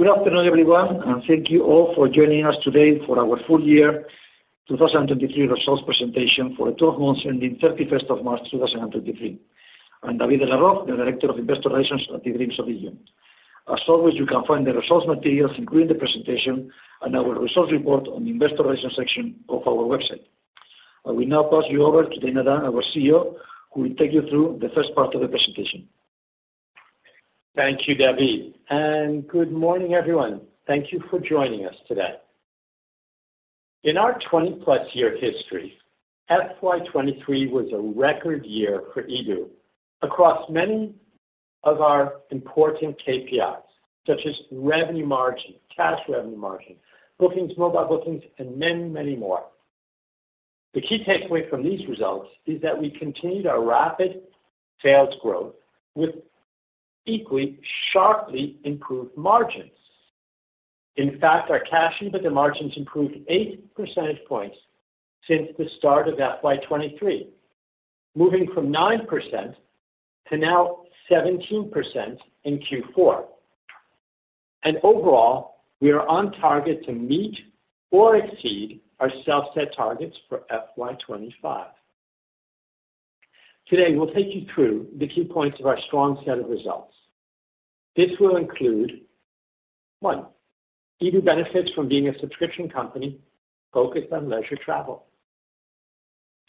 Good afternoon, everyone, and thank you all for joining us today for our full year 2023 results presentation for the 12 months ending 31st of March 2023. I'm David de la Roz, the Director of Investor Relations at eDreams ODIGEO. As always, you can find the resource materials, including the presentation and our resource report on the investor relations section of our website. I will now pass you over to Dana Dunne, our CEO, who will take you through the first part of the presentation. Thank you, David. Good morning, everyone. Thank you for joining us today. In our 20+ year history, FY 2023 was a record year for EDU across many of our important KPIs, such as Revenue Margin, Cash Revenue Margin, bookings, mobile bookings, and many more. The key takeaway from these results is that we continued our rapid sales growth with equally sharply improved margins. In fact, our Cash EBITDA margins improved 8 percentage points since the start of FY 2023, moving from 9% to now 17% in Q4. Overall, we are on target to meet or exceed our self-set targets for FY 2025. Today, we'll take you through the key points of our strong set of results. This will include, 1, EDU benefits from being a subscription company focused on leisure travel.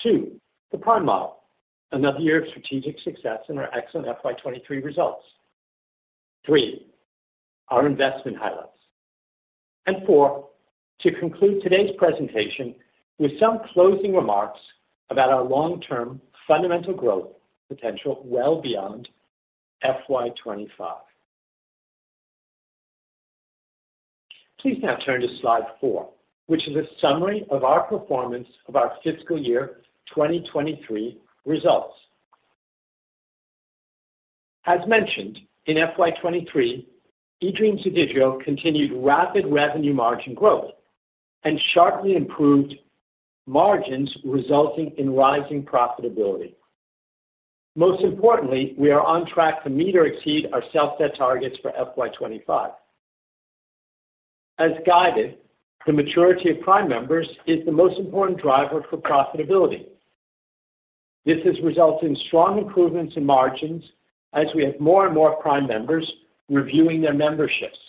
Two, the Prime model, another year of strategic success in our excellent FY 23 results. three, our investment highlights. four, to conclude today's presentation with some closing remarks about our long-term fundamental growth potential well beyond FY 25. Please now turn to slide four, which is a summary of our performance of our fiscal year 2023 results. As mentioned, in FY 23, eDreams ODIGEO continued rapid Revenue Margin growth and sharply improved margins, resulting in rising profitability. Most importantly, we are on track to meet or exceed our self-set targets for FY 25. As guided, the maturity of Prime members is the most important driver for profitability. This has resulted in strong improvements in margins as we have more and more Prime members reviewing their memberships.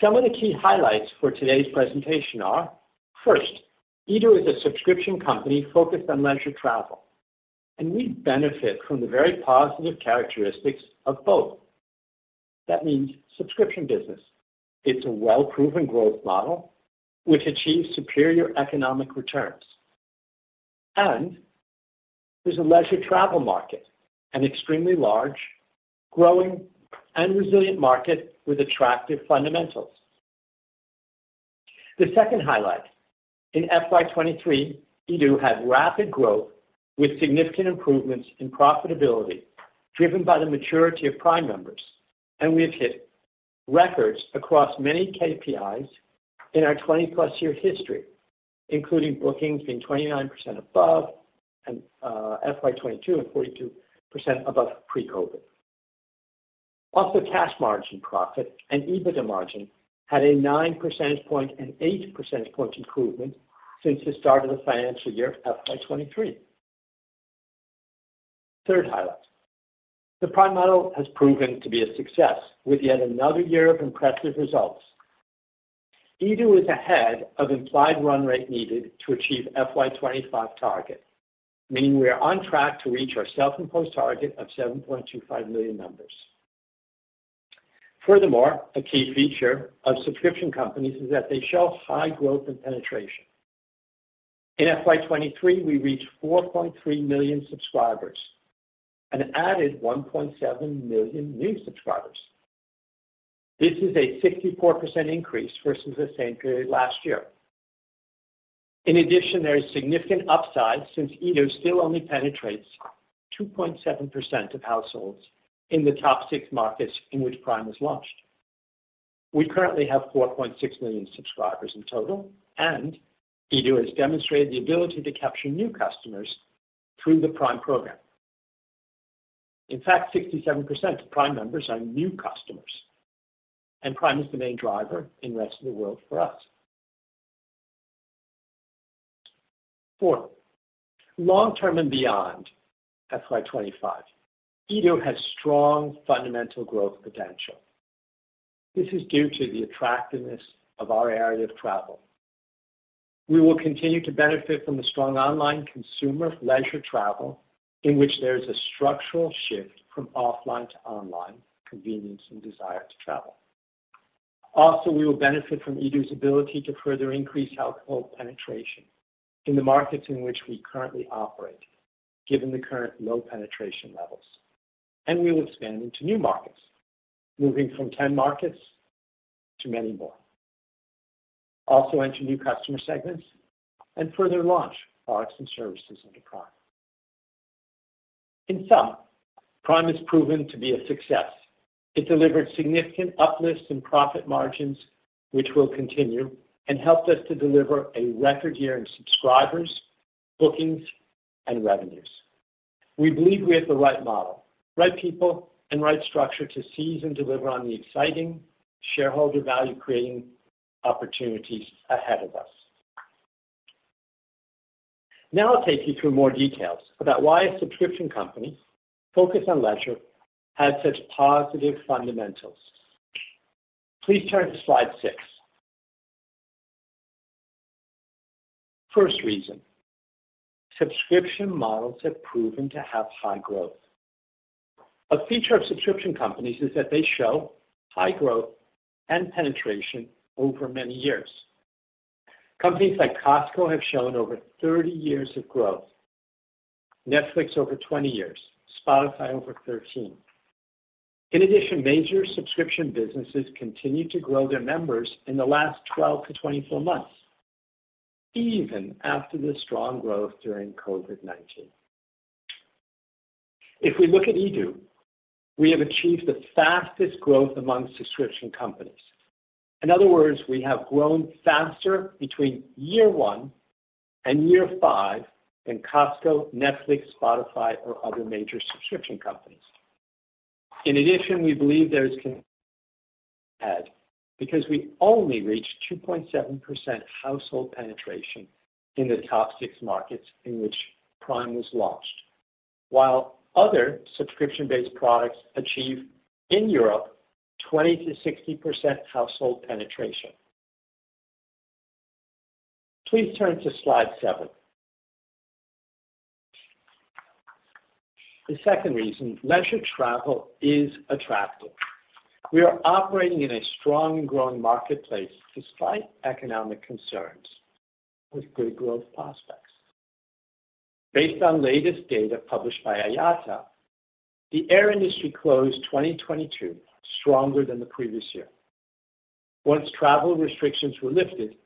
Some of the key highlights for today's presentation are: First, EDU is a subscription company focused on leisure travel, and we benefit from the very positive characteristics of both. That means subscription business. It's a well-proven growth model which achieves superior economic returns, and there's a leisure travel market, an extremely large, growing, and resilient market with attractive fundamentals. The second highlight, in FY 23, EDU had rapid growth with significant improvements in profitability, driven by the maturity of Prime members, and we have hit records across many KPIs in our 20+year history, including bookings being 29% above FY 22 and 42% above pre-COVID. Cash Marginal Profit and EBITDA margin had a 9 percentage point and 8 percentage point improvement since the start of the financial year, FY 23. Third highlight, the Prime has proven to be a success with yet another year of impressive results. EDU is ahead of implied run rate needed to achieve FY 2025 target, meaning we are on track to reach our self-imposed target of 7.25 million members. A key feature of subscription companies is that they show high growth and penetration. In FY 2023, we reached 4.3 million subscribers and added 1.7 million new subscribers. This is a 64% increase versus the same period last year. There is significant upside since EDU still only penetrates 2.7% of households in the top 6 markets in which Prime was launched. We currently have 4.6 million subscribers in total, and EDU has demonstrated the ability to capture new customers through the Prime program. In fact, 67% of Prime members are new customers, and Prime is the main driver in the rest of the world for us. Four, long term and beyond FY 25, EDU has strong fundamental growth potential. This is due to the attractiveness of our area of travel. We will continue to benefit from the strong online consumer leisure travel, in which there is a structural shift from offline to online, convenience and desire to travel. We will benefit from EDU's ability to further increase household penetration in the markets in which we currently operate, given the current low penetration levels, and we will expand into new markets, moving from 10 markets to many more. Enter new customer segments and further launch products and services into Prime. In sum, Prime has proven to be a success. It delivered significant uplifts in profit margins, which will continue, and helped us to deliver a record year in subscribers-... bookings, and revenues. We believe we have the right model, right people, and right structure to seize and deliver on the exciting shareholder value-creating opportunities ahead of us. Now I'll take you through more details about why a subscription company focused on leisure had such positive fundamentals. Please turn to slide six. First reason: subscription models have proven to have high growth. A feature of subscription companies is that they show high growth and penetration over many years. Companies like Costco have shown over 30 years of growth, Netflix over 20 years, Spotify over 13. In addition, major subscription businesses continued to grow their members in the last 12-24 months, even after the strong growth during COVID-19. If we look at eDreams, we have achieved the fastest growth amongst subscription companies. In other words, we have grown faster between year 1 and year 5 than Costco, Netflix, Spotify, or other major subscription companies. In addition, we believe there is ahead, because we only reached 2.7% household penetration in the top six markets in which Prime was launched, while other subscription-based products achieve, in Europe, 20%-60% household penetration. Please turn to slide seven. The second reason: leisure travel is attractive. We are operating in a strong growing marketplace despite economic concerns, with good growth prospects. Based on latest data published by IATA, the air industry closed 2022 stronger than the previous year. Once travel restrictions were lifted,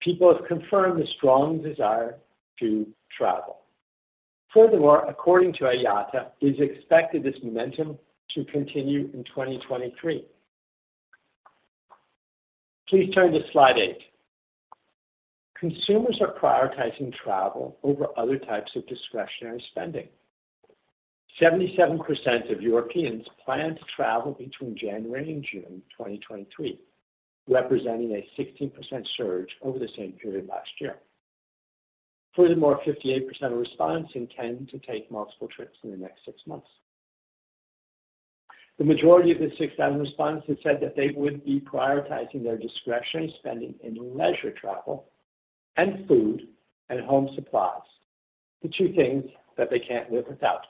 people have confirmed the strong desire to travel. Furthermore, according to IATA, it is expected this momentum to continue in 2023. Please turn to slide eight. Consumers are prioritizing travel over other types of discretionary spending. 77% of Europeans plan to travel between January and June 2023, representing a 16% surge over the same period last year. Furthermore, 58% of respondents intend to take multiple trips in the next six months. The majority of the 6,000 respondents have said that they would be prioritizing their discretionary spending in leisure, travel, and food and home supplies, the two things that they can't live without.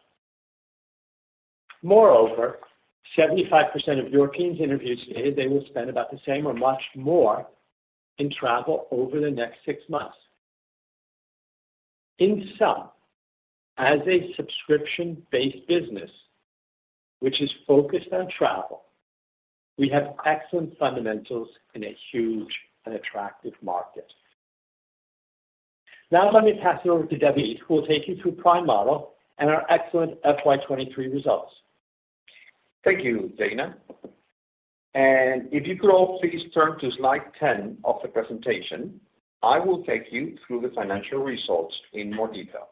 Moreover, 75% of Europeans interviewed stated they will spend about the same or much more in travel over the next six months. In sum, as a subscription-based business which is focused on travel, we have excellent fundamentals in a huge and attractive market. Now let me pass it over to David, who will take you through Prime model and our excellent FY 23 results. Thank you, Dana. If you could all please turn to slide 10 of the presentation, I will take you through the financial results in more detail.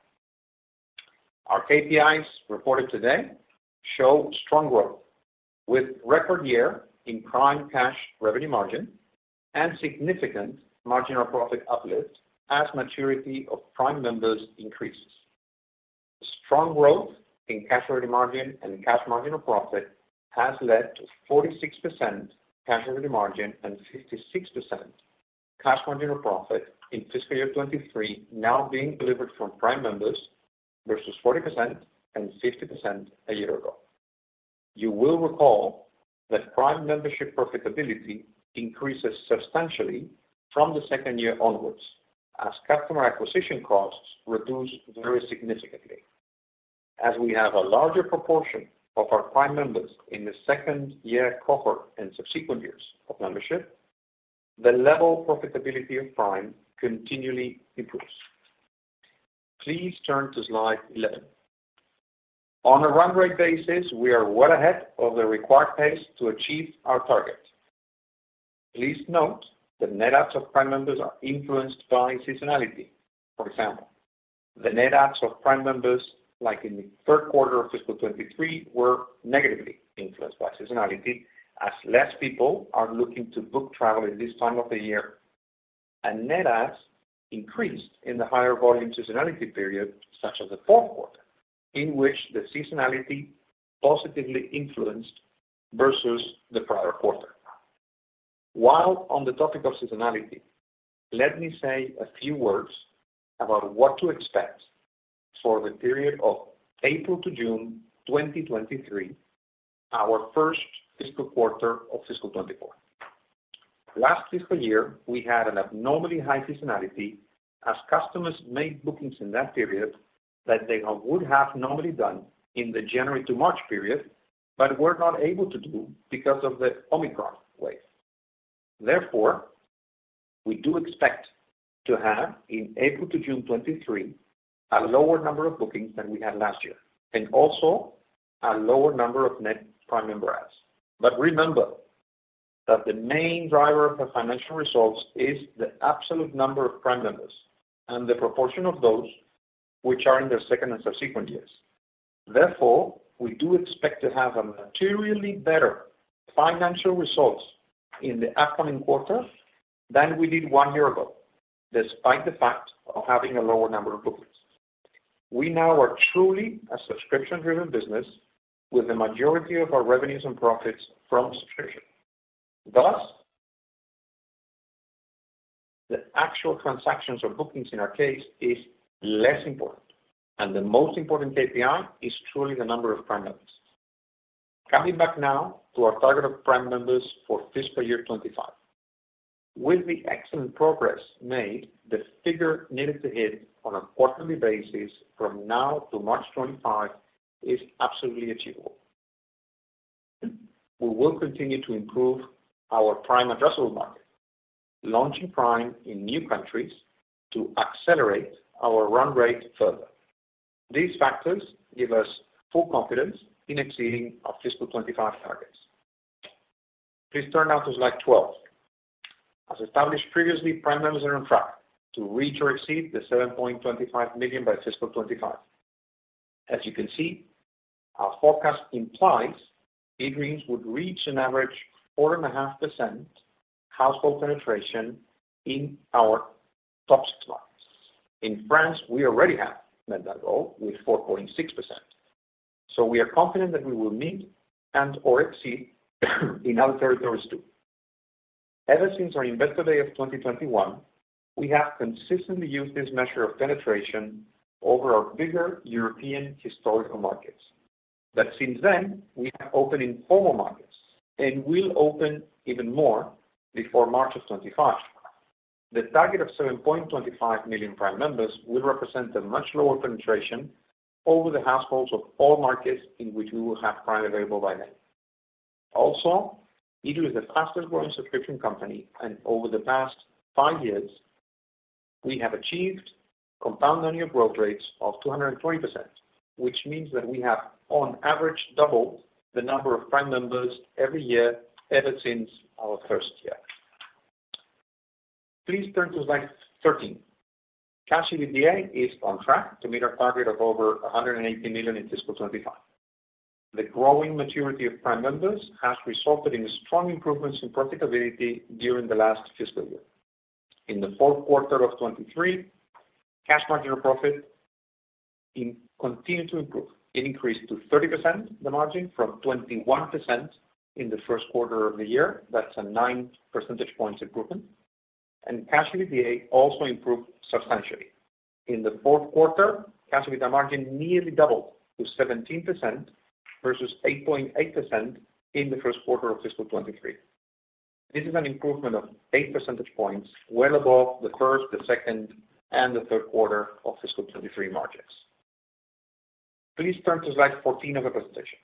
Our KPIs reported today show strong growth, with record year in Prime cash revenue margin and significant marginal profit uplift as maturity of Prime members increases. Strong growth in cash revenue margin and Cash Marginal Profit has led to 46% cash revenue margin and 56% Cash Marginal Profit in fiscal year 2023, now being delivered from Prime members versus 40% and 50% a year ago. You will recall that Prime membership profitability increases substantially from the 2nd year onwards, as customer acquisition costs reduce very significantly. As we have a larger proportion of our Prime members in the 2nd year cohort and subsequent years of membership, the level of profitability of Prime continually improves. Please turn to slide 11. On a run rate basis, we are well ahead of the required pace to achieve our target. Please note that net adds of Prime members are influenced by seasonality. For example, the net adds of Prime members, like in the 3Q of fiscal 23, were negatively influenced by seasonality, as less people are looking to book travel at this time of the year. Net adds increased in the higher volume seasonality period, such as the 4Q in which the seasonality positively influenced versus the prior quarter. While on the topic of seasonality, let me say a few words about what to expect for the period of April to June 2023, our first fiscal quarter of fiscal 24. Last fiscal year, we had an abnormally high seasonality as customers made bookings in that period that they would have normally done in the January to March period, but were not able to do because of the Omicron wave. Therefore, we do expect to have, in April to June 2023, a lower number of bookings than we had last year, and also a lower number of net Prime member adds. Remember that the main driver of the financial results is the absolute number of Prime members and the proportion of those which are in their second and subsequent years. Therefore, we do expect to have a materially better financial results in the upcoming quarter than we did one year ago, despite the fact of having a lower number of bookings. We now are truly a subscription-driven business with the majority of our revenues and profits from subscription. Thus, the actual transactions or bookings in our case is less important, and the most important KPI is truly the number of Prime members. Coming back now to our target of Prime members for fiscal year 2025. With the excellent progress made, the figure needed to hit on a quarterly basis from now to March 2025 is absolutely achievable. We will continue to improve our Prime addressable market, launching Prime in new countries to accelerate our run rate further. These factors give us full confidence in exceeding our fiscal 2025 targets. Please turn now to slide 12. As established previously, Prime members are on track to reach or exceed the 7.25 million by fiscal 2025. As you can see, our forecast implies eDreams would reach an average 4.5% household penetration in our top six markets. In France, we already have met that goal with 4.6%, we are confident that we will meet and or exceed in other territories, too. Ever since our Investor Day of 2021, we have consistently used this measure of penetration over our bigger European historical markets. Since then, we have opened in four more markets and will open even more before March of 2025. The target of 7.25 million Prime members will represent a much lower penetration over the households of all markets in which we will have Prime available by then. eDreams is the fastest growing subscription company, over the past five years, we have achieved compound annual growth rates of 220%, which means that we have, on average, doubled the number of Prime members every year ever since our first year. Please turn to slide 13. Cash EBITDA is on track to meet our target of over 180 million in fiscal 2025. The growing maturity of Prime members has resulted in strong improvements in profitability during the last fiscal year. In the fourth quarter of 2023, cash margin or profit in continued to improve. It increased to 30%, the margin, from 21% in the first quarter of the year. That's a 9 percentage points improvement. Cash EBITDA also improved substantially. In the 4Q Cash EBITDA margin nearly doubled to 17% versus 8.8% in the first quarter of fiscal 2023. This is an improvement of 8 percentage points, well above the first, the 2Q and the 3Q of fiscal 2023 margins. Please turn to slide 14 of the presentation.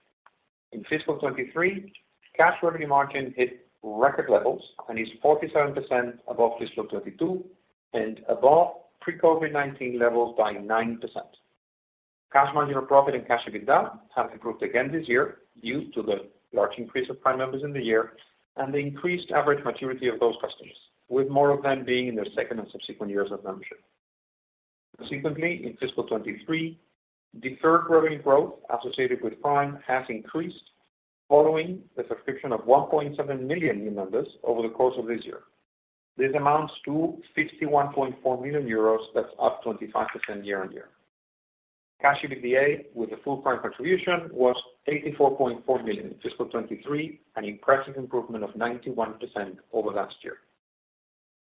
In fiscal 2023, cash revenue margin hit record levels and is 47% above fiscal 2022 and above pre-COVID-19 levels by 9%. Cash margin or profit and Cash EBITDA have improved again this year due to the large increase of Prime members in the year and the increased average maturity of those customers, with more of them being in their second and subsequent years of membership. In fiscal 2023, deferred revenue growth associated with Prime has increased following the subscription of 1.7 million new members over the course of this year. This amounts to 61.4 million euros. That's up 25% year-over-year. Cash EBITDA, with the full Prime contribution, was 84.4 million in fiscal 2023, an impressive improvement of 91% over last year.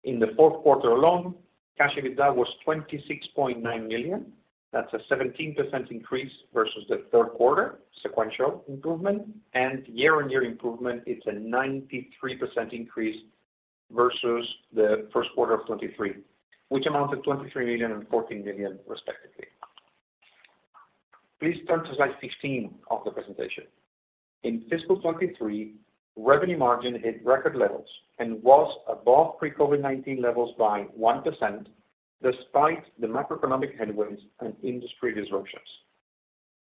In the fourth quarter alone, Cash EBITDA was 26.9 million. That's a 17% increase versus the 3Q, sequential improvement, and year-on-year improvement, it's a 93% increase versus the first quarter of 2023, which amounted 23 million and 14 million, respectively. Please turn to slide 16 of the presentation. In fiscal 2023, Revenue Margin hit record levels and was above pre-COVID-19 levels by 1%, despite the macroeconomic headwinds and industry disruptions.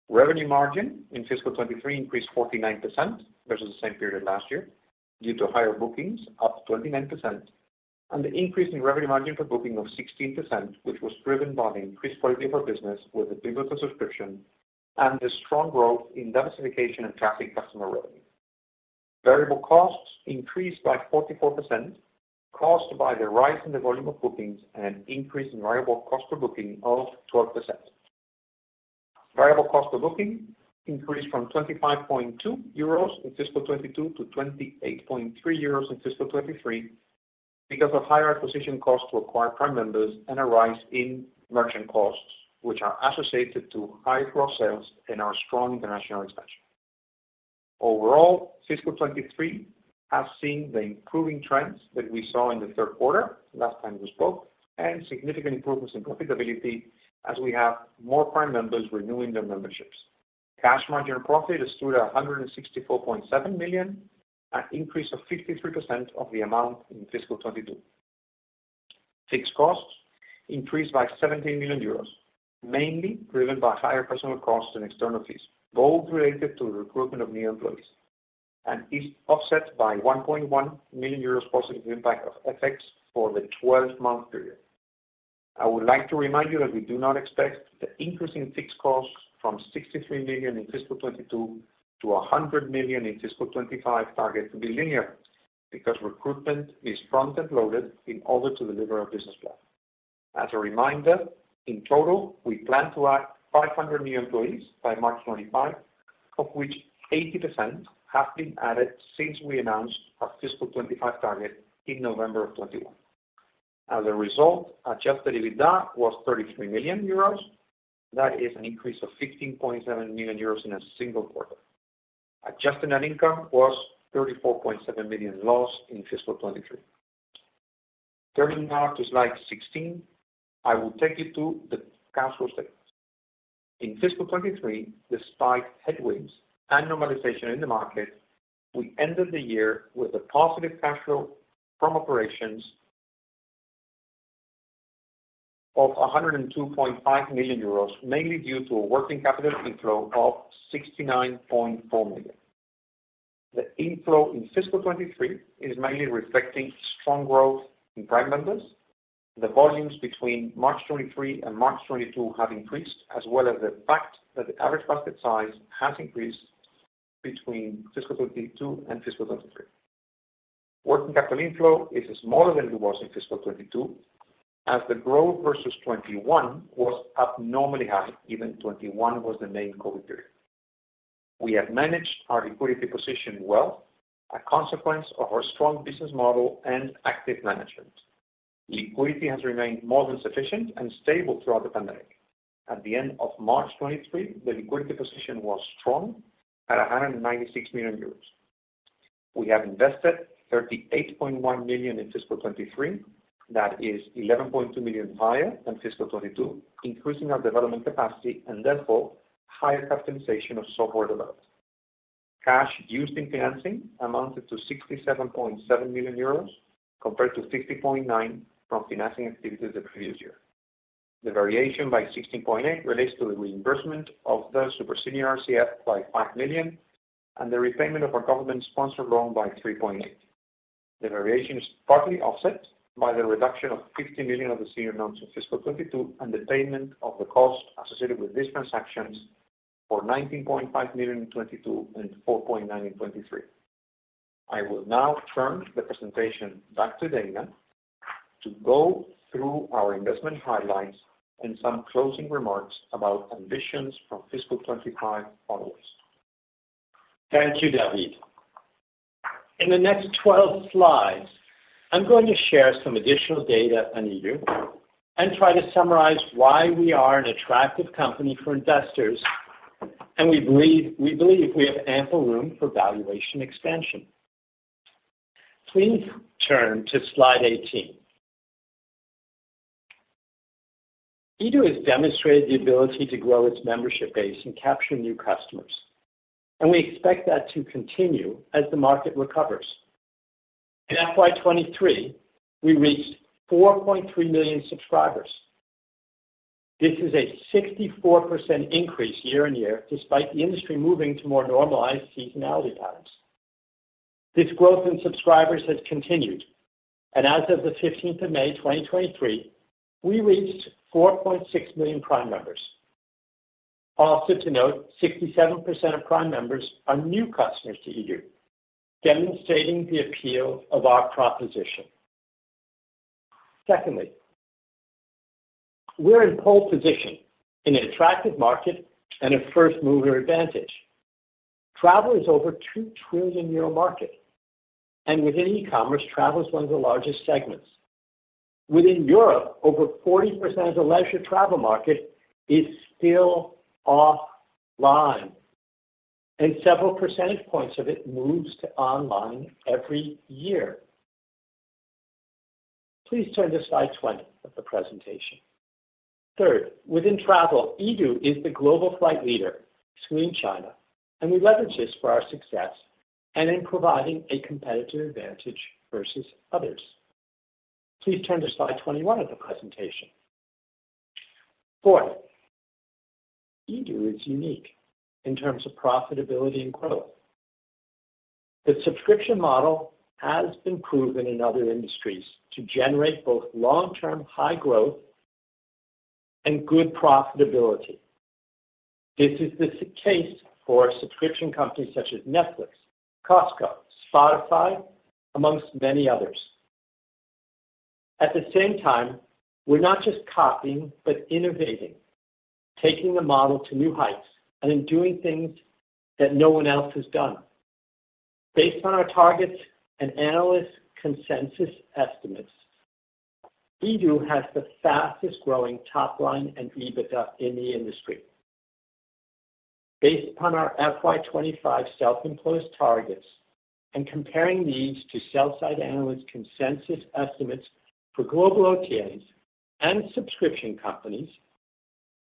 Revenue Margin in fiscal 2023 increased 49% versus the same period last year, due to higher bookings, up 29%, and the increase in Revenue Margin per booking of 16%, which was driven by the increased quality of our business with the focus of subscription and the strong growth in diversification and traffic customer revenue. Variable costs increased by 44%, caused by the rise in the volume of bookings and an increase in variable cost per booking of 12%. Variable cost per booking increased from 25.2 euros in fiscal 2022 to 28.3 euros in fiscal 2023 because of higher acquisition costs to acquire Prime members and a rise in merchant costs, which are associated to high growth sales and our strong international expansion. Overall, fiscal 2023 has seen the improving trends that we saw in the 3Q, last time we spoke, and significant improvements in profitability as we have more Prime members renewing their memberships. Cash Marginal Profit stood at 164.7 million, an increase of 53% of the amount in fiscal 2022. Fixed costs increased by 17 million euros, mainly driven by higher personal costs and external fees, both related to the recruitment of new employees, and is offset by 1.1 million euros positive impact of FX for the 12-month period. I would like to remind you that we do not expect the increase in fixed costs from 63 million in fiscal 2022 to 100 million in fiscal 2025 target to be linear, because recruitment is front and loaded in order to deliver our business plan. As a reminder, in total, we plan to add 500 new employees by March 2025, of which 80% have been added since we announced our fiscal 2025 target in November of 2021. As a result, Adjusted EBITDA was 33 million euros. That is an increase of 15.7 million euros in a single quarter. Adjusted net income was 34.7 million loss in fiscal 2023. Turning now to slide 16, I will take you to the cash flow statement. In fiscal 2023, despite headwinds and normalization in the market, we ended the year with a positive cash flow from operations of 102.5 million euros, mainly due to a working capital inflow of 69.4 million. The inflow in fiscal 2023 is mainly reflecting strong growth in Prime members. The volumes between March 2023 and March 2022 have increased, as well as the fact that the average basket size has increased between fiscal 2022 and fiscal 2023. Working capital inflow is smaller than it was in fiscal 2022, as the growth versus 2021 was abnormally high, given 2021 was the main COVID period. We have managed our liquidity position well, a consequence of our strong business model and active management. Liquidity has remained more than sufficient and stable throughout the pandemic. At the end of March 2023, the liquidity position was strong at 196 million euros. We have invested 38.1 million in fiscal 2023. That is 11.2 million higher than fiscal 2022, increasing our development capacity and therefore higher capitalization of software developed. Cash used in financing amounted to 67.7 million euros, compared to 60.9 million from financing activities the previous year. The variation by 16.8 million relates to the reimbursement of the super senior RCF by 5 million and the repayment of our government-sponsored loan by 3.8 million. The variation is partly offset by the reduction of 50 million of the senior loans in fiscal 2022 and the payment of the cost associated with these transactions for 19.5 million in 2022 and 4.9 million in 2023. I will now turn the presentation back to Dana to go through our investment highlights and some closing remarks about ambitions from fiscal 25 onwards. Thank you, David. In the next 12 slides, I'm going to share some additional data on eDreams and try to summarize why we are an attractive company for investors, and we believe we have ample room for valuation expansion. Please turn to slide 18. eDreams has demonstrated the ability to grow its membership base and capture new customers, and we expect that to continue as the market recovers. In FY 2023, we reached 4.3 million subscribers. This is a 64% increase year-on-year, despite the industry moving to more normalized seasonality patterns. This growth in subscribers has continued, and as of the 15th of May 2023, we reached 4.6 million Prime members. Also, to note, 67% of Prime members are new customers to eDreams, demonstrating the appeal of our proposition. We're in pole position in an attractive market and a first-mover advantage. Travel is over a 2 trillion euro market, and within e-commerce, travel is one of the largest segments. Within Europe, over 40% of the leisure travel market is still offline, and several percentage points of it moves to online every year. Please turn to slide 20 of the presentation. Within travel, eDreams is the global flight leader, excluding China, and we leverage this for our success and in providing a competitive advantage versus others. Please turn to slide 21 of the presentation. eDreams is unique in terms of profitability and growth. The subscription model has been proven in other industries to generate both long-term high growth and good profitability. This is the case for subscription companies such as Netflix, Costco, Spotify, amongst many others. At the same time, we're not just copying, but innovating, taking the model to new heights and in doing things that no one else has done. Based on our targets and analyst consensus estimates, eDreams has the fastest growing top line and EBITDA in the industry. Based upon our FY 2025 self-employed targets and comparing these to sell-side analyst consensus estimates for global OTAs and subscription companies,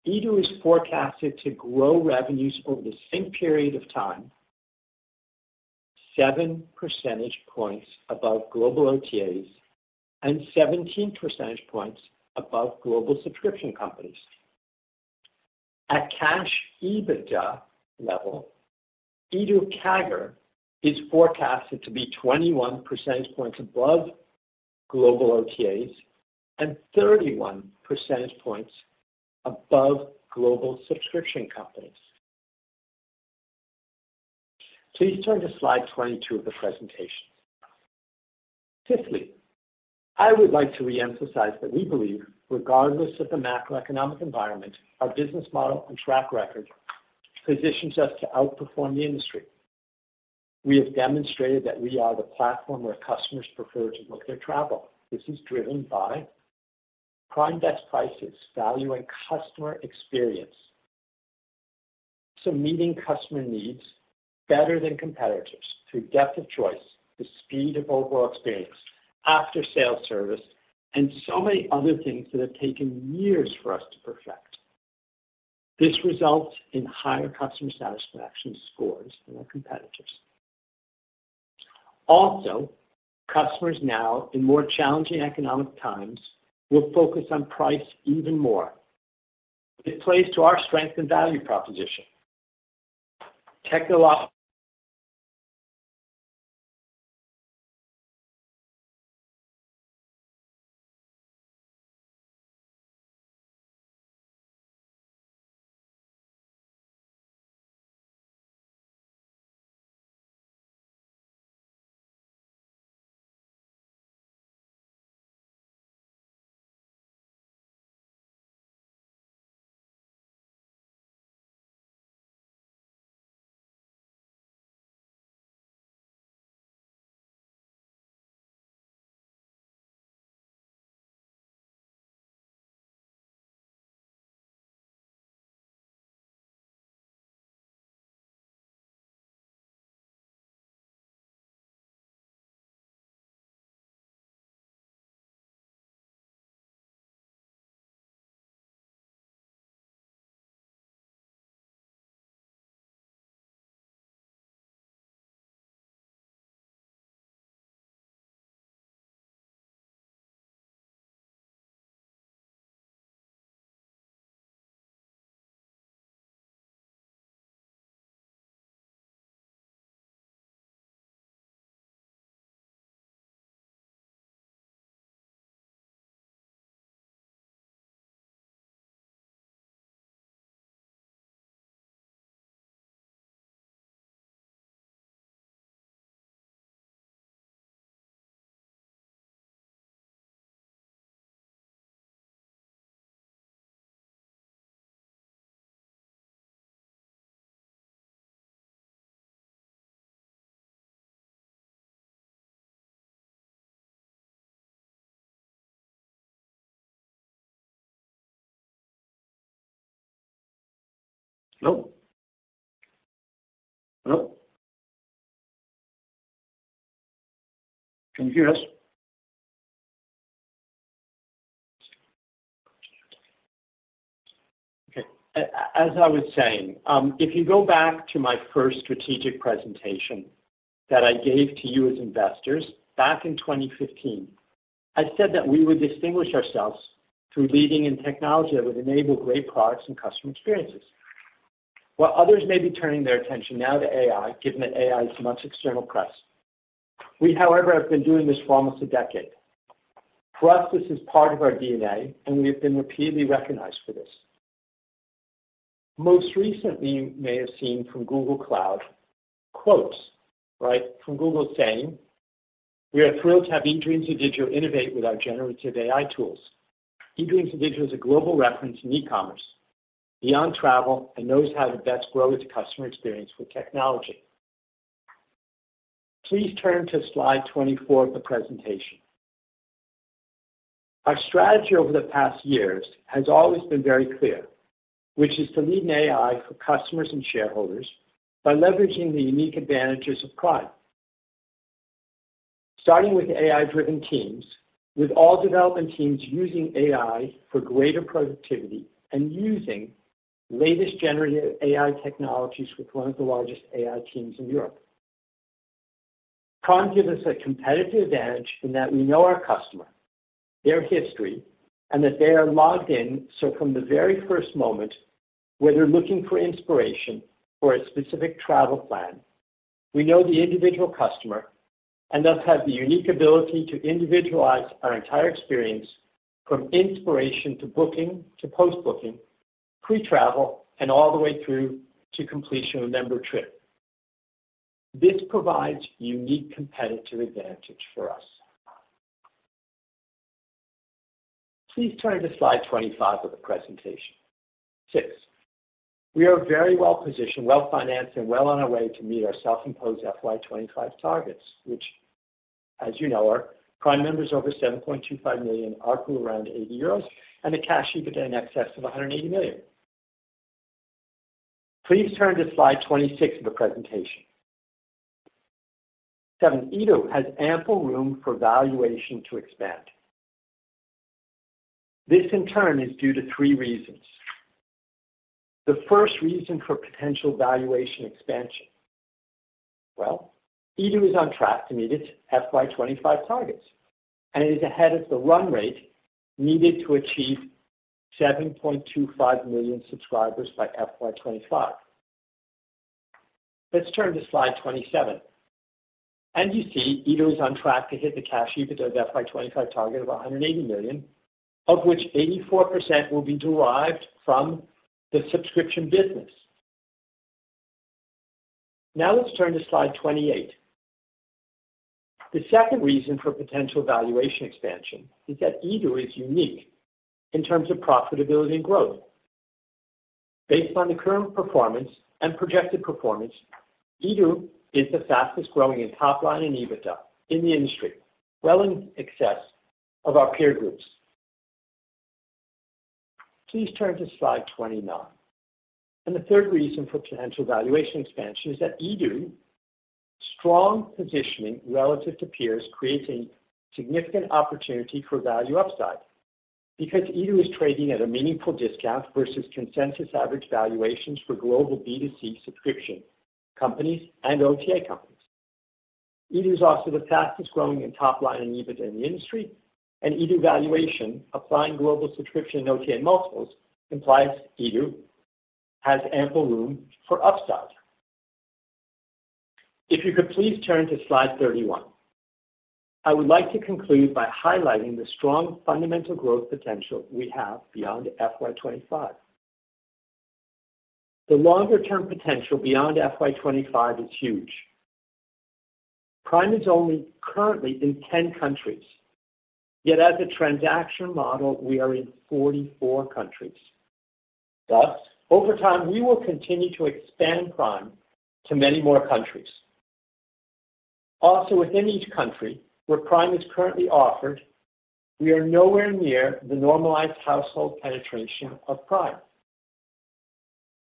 eDreams is forecasted to grow revenues over the same period of time seven percentage points above global OTAs and 17 percentage points above global subscription companies. At Cash EBITDA level, eDreams CAGR is forecasted to be 21 percentage points above global OTAs and 31 percentage points above global subscription companies. Please turn to slide 22 of the presentation. Fifthly, I would like to reemphasize that we believe, regardless of the macroeconomic environment, our business model and track record positions us to outperform the industry. We have demonstrated that we are the platform where customers prefer to book their travel. This is driven by Prime best prices, value, and customer experience, so meeting customer needs better than competitors through depth of choice, the speed of overall experience, after-sale service, and so many other things that have taken years for us to perfect. This results in higher customer satisfaction scores than our competitors. Also, customers now, in more challenging economic times, will focus on price even more. It plays to our strength and value proposition. Hello? Hello? Can you hear us? Okay. As I was saying, if you go back to my first strategic presentation that I gave to you as investors back in 2015, I said that we would distinguish ourselves through leading in technology that would enable great products and customer experiences. While others may be turning their attention now to AI, given that AI is much external press, we, however, have been doing this for almost a decade. For us, this is part of our DNA, and we have been repeatedly recognized for this. Most recently, you may have seen from Google Cloud quotes, right? From Google saying, "We are thrilled to have eDreams ODIGEO innovate with our generative AI tools. eDreams ODIGEO is a global reference in e-commerce, beyond travel, and knows how to best grow its customer experience with technology." Please turn to slide 24 of the presentation. Our strategy over the past years has always been very clear, which is to lead in AI for customers and shareholders by leveraging the unique advantages of Prime. Starting with AI-driven teams, with all development teams using AI for greater productivity and using latest generative AI technologies with one of the largest AI teams in Europe. Prime gives us a competitive advantage in that we know our customer, their history, and that they are logged in, so from the very first moment, whether looking for inspiration or a specific travel plan, we know the individual customer and thus have the unique ability to individualize our entire experience, from inspiration, to booking, to post-booking, pre-travel, and all the way through to completion of a member trip. This provides unique competitive advantage for us. Please turn to slide 25 of the presentation. Six, we are very well-positioned, well-financed, and well on our way to meet our self-imposed FY 25 targets, which, as you know, are Prime members over 7.25 million, ARPU around 80 euros, and a Cash EBITDA in excess of 180 million. Please turn to slide 26 of the presentation. Seven, eDreams has ample room for valuation to expand. This in turn, is due to three reasons. The first reason for potential valuation expansion: well, eDreams is on track to meet its FY 25 targets, and it is ahead of the run rate needed to achieve 7.25 million subscribers by FY 25. Let's turn to slide 27. You see, eDreams is on track to hit the Cash EBITDA FY 25 target of 180 million, of which 84% will be derived from the subscription business. Let's turn to slide 28. The second reason for potential valuation expansion is that edoo is unique in terms of profitability and growth. Based on the current performance and projected performance, edoo is the fastest growing in top line and EBITDA in the industry, well in excess of our peer groups. Please turn to slide 29. The third reason for potential valuation expansion is that edoo, strong positioning relative to peers, creates a significant opportunity for value upside, because edoo is trading at a meaningful discount versus consensus average valuations for global B2C subscription companies and OTA companies. edoo is also the fastest growing in top line and EBITDA in the industry, edoo valuation, applying global subscription and OTA multiples, implies edoo has ample room for upside. If you could please turn to slide 31. I would like to conclude by highlighting the strong fundamental growth potential we have beyond FY 25. The longer-term potential beyond FY 25 is huge. Prime is only currently in 10 countries, yet as a transaction model, we are in 44 countries. Over time, we will continue to expand Prime to many more countries. Within each country where Prime is currently offered, we are nowhere near the normalized household penetration of Prime.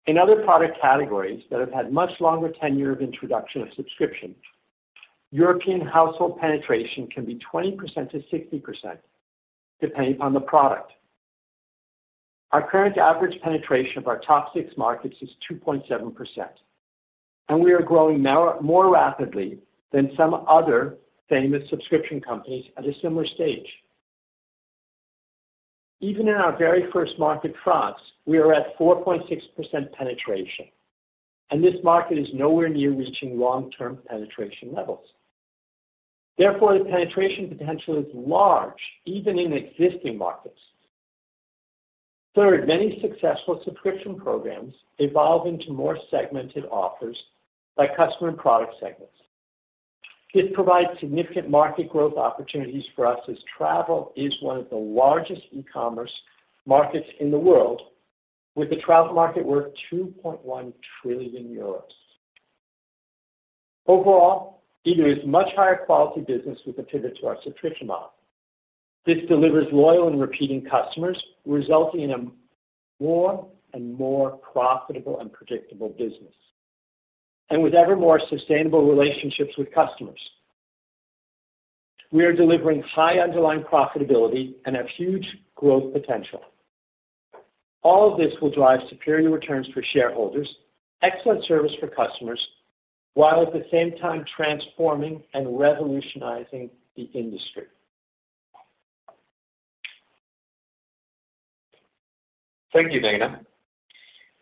In other product categories that have had much longer tenure of introduction of subscription, European household penetration can be 20%-60%, depending on the product. Our current average penetration of our top six markets is 2.7%, and we are growing more rapidly than some other famous subscription companies at a similar stage. Even in our very first market, France, we are at 4.6% penetration, this market is nowhere near reaching long-term penetration levels. Therefore, the penetration potential is large, even in existing markets. Third, many successful subscription programs evolve into more segmented offers by customer and product segments. This provides significant market growth opportunities for us, as travel is one of the largest e-commerce markets in the world, with the travel market worth 2.1 trillion euros. Overall, eDreams ODIGEO is a much higher quality business with a pivot to our subscription model. This delivers loyal and repeating customers, resulting in a more and more profitable and predictable business. With ever more sustainable relationships with customers, we are delivering high underlying profitability and have huge growth potential. All of this will drive superior returns for shareholders, excellent service for customers, while at the same time transforming and revolutionizing the industry. Thank you, Dana.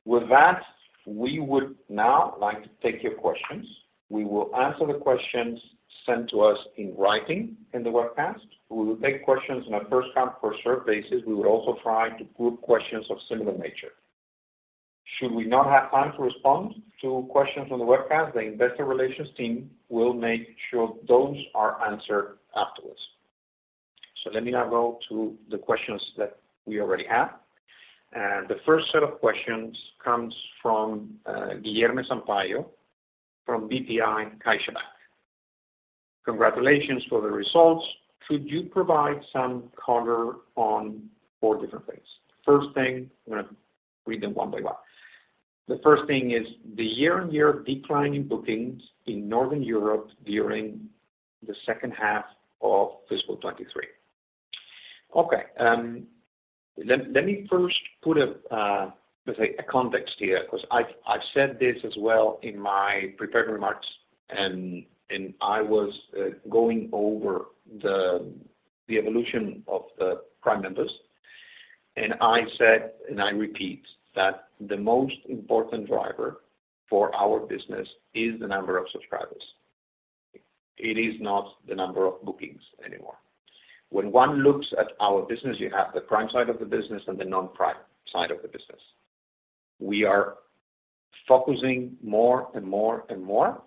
With that, we would now like to take your questions. We will answer the questions sent to us in writing in the webcast. We will take questions on a first-come, first-served basis. We will also try to group questions of similar nature. Should we not have time to respond to questions on the webcast, the Investor Relations team will make sure those are answered afterwards. Let me now go to the questions that we already have. The 1st set of questions comes from Guilherme Sampaio from CaixaBank BPI. Congratulations for the results. Could you provide some color on four different things? First thing, I'm going to read them 1 by 1. The 1st thing is the year-on-year decline in bookings in Northern Europe during the H2 of fiscal 23. Let me first put a let's say, a context here, because I've said this as well in my prepared remarks, and I was going over the evolution of the Prime members. I said, and I repeat, that the most important driver for our business is the number of subscribers. It is not the number of bookings anymore. When one looks at our business, you have the Prime side of the business and the non-Prime side of the business. We are focusing more, and more, and more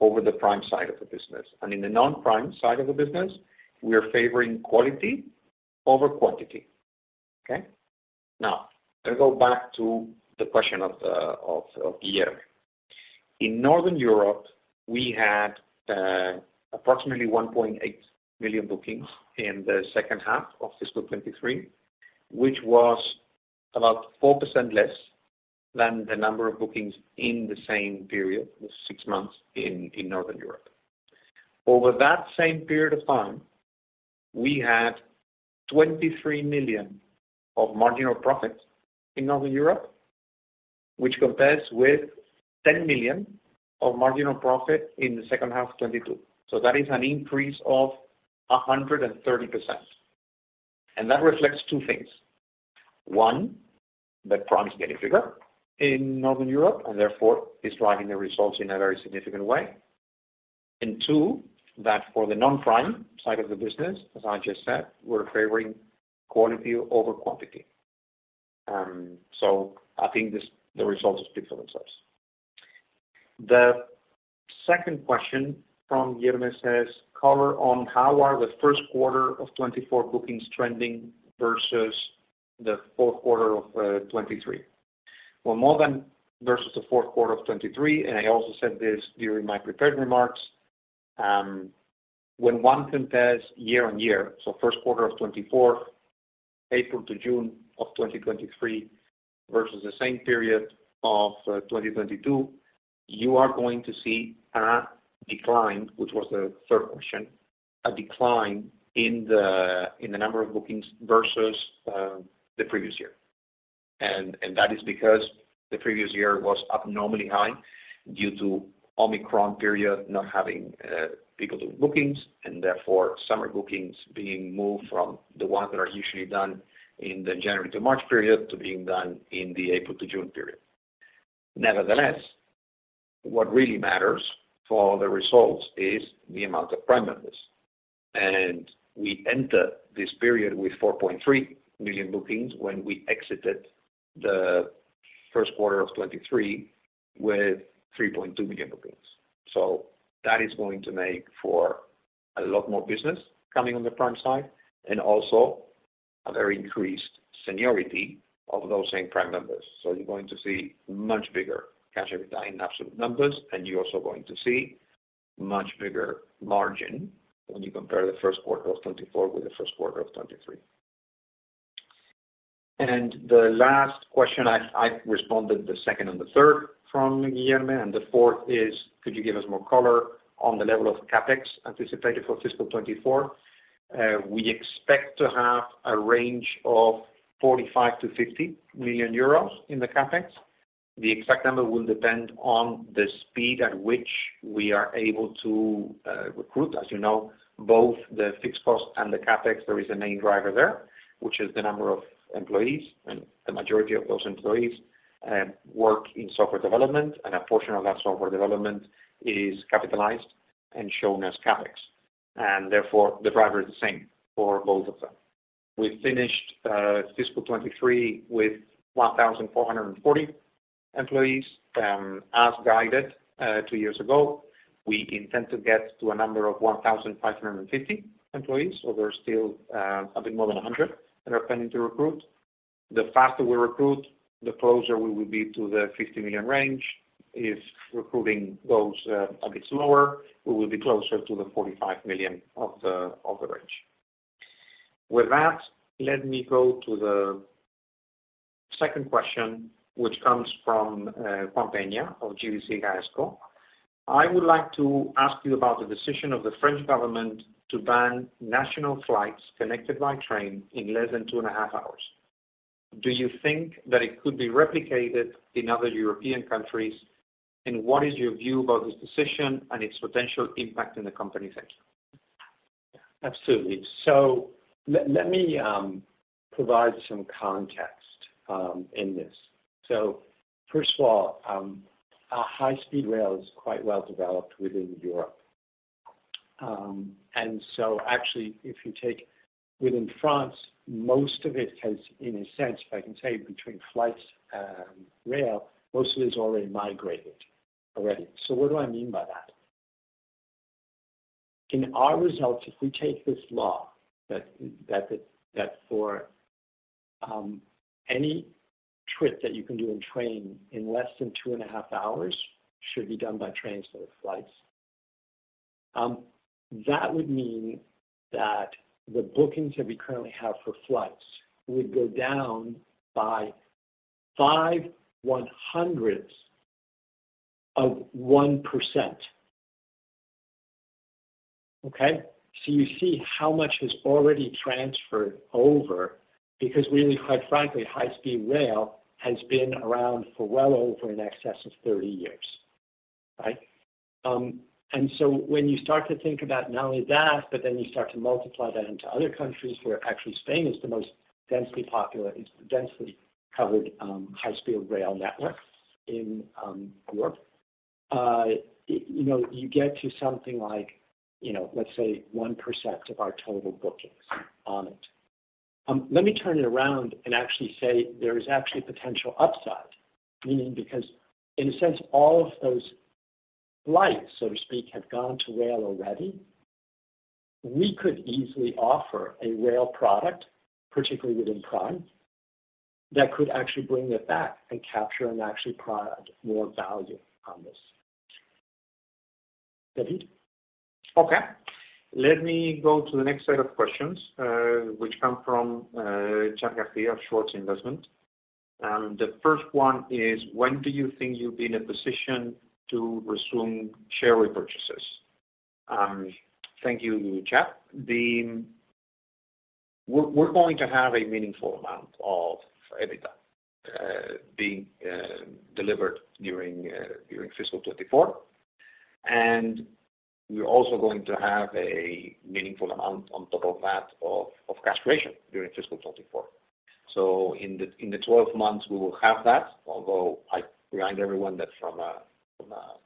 over the Prime side of the business, and in the non-Prime side of the business, we are favoring quality over quantity. Okay? Now, let's go back to the question of Guilherme. In Northern Europe, we had approximately 1.8 million bookings in the H2 of fiscal 2023, which was about 4% less than the number of bookings in the same period, the six months in Northern Europe. Over that same period of time, we had 23 million of marginal profit in Northern Europe, which compares with 10 million of marginal profit in the H2 of 2022. That is an increase of 130%. That reflects two things: one, that Prime is getting bigger in Northern Europe, and therefore is driving the results in a very significant way. Two, that for the non-Prime side of the business, as I just said, we're favoring quality over quantity. I think the results speak for themselves. The second question from Guilherme says: color on how are the first quarter of 2024 bookings trending versus the fourth quarter of 2023? Well, more than versus the fourth quarter of 2023, and I also said this during my prepared remarks, when one compares year on year, so first quarter of 2024, April to June of 2023, versus the same period of 2022, you are going to see a decline, which was the third question, a decline in the number of bookings versus the previous year. That is because the previous year was abnormally high due to Omicron period, not having people doing bookings, and therefore, summer bookings being moved from the ones that are usually done in the January to March period, to being done in the April to June period. Nevertheless, what really matters for the results is the amount of Prime members, and we enter this period with 4.3 million bookings, when we exited the first quarter of 2023 with 3.2 million bookings. That is going to make for a lot more business coming on the Prime side, and also a very increased seniority of those same Prime members. You're going to see much bigger cash every day in absolute numbers, and you're also going to see much bigger margin when you compare the first quarter of 2024 with the first quarter of 2023. The last question, I responded the second and the third from Guilherme, and the fourth is: could you give us more color on the level of CapEx anticipated for fiscal 2024? We expect to have a range of 45-50 million euros in the CapEx. The exact number will depend on the speed at which we are able to recruit. As you know, both the fixed cost and the CapEx, there is a main driver there, which is the number of employees, and the majority of those employees work in software development, and a portion of that software development is capitalized and shown as CapEx, and therefore, the driver is the same for both of them. We finished fiscal 23 with 1,440 employees. As guided, two years ago, we intend to get to a number of 1,550 employees, so there are still a bit more than 100 that are pending to recruit. The faster we recruit, the closer we will be to the 50 million range. If recruiting goes a bit slower, we will be closer to the 45 million of the range. With that, let me go to the second question, which comes from Pena of GVC Gaesco. I would like to ask you about the decision of the French government to ban national flights connected by train in less than two and a half hours. Do you think that it could be replicated in other European countries? What is your view about this decision and its potential impact in the company's action? Absolutely. Let me provide some context in this. First of all, our high-speed rail is quite well-developed within Europe. Actually, if you take within France, most of it has, in a sense, if I can say, between flights and rail, most of it is already migrated already. What do I mean by that? In our results, if we take this law, that for any trip that you can do in train in less than two and a half hours, should be done by train, instead of flights, that would mean that the bookings that we currently have for flights would go down by five, one hundredths of 1%. Okay? You see how much has already transferred over, because really, quite frankly, high-speed rail has been around for well over in excess of 30 years, right? When you start to think about not only that, but then you start to multiply that into other countries, where actually Spain is the most densely popular, it's the densely covered, high-speed rail network in Europe. You know, you get to something like, you know, let's say 1% of our total bookings on it. Let me turn it around and actually say there is actually a potential upside. Meaning because in a sense, all of those flights, so to speak, have gone to rail already. We could easily offer a rail product, particularly within Prime, that could actually bring it back and capture and actually product more value on this. David? Okay. Let me go to the next set of questions, which come from Chad Garcia, Schwartz Investment. The first one is: When do you think you'll be in a position to resume share repurchases? Thank you, Chad. We're going to have a meaningful amount of EBITDA being delivered during fiscal 2024. We're also going to have a meaningful amount on top of that of cash creation during fiscal 2024. In the 12 months, we will have that. Although I remind everyone that from a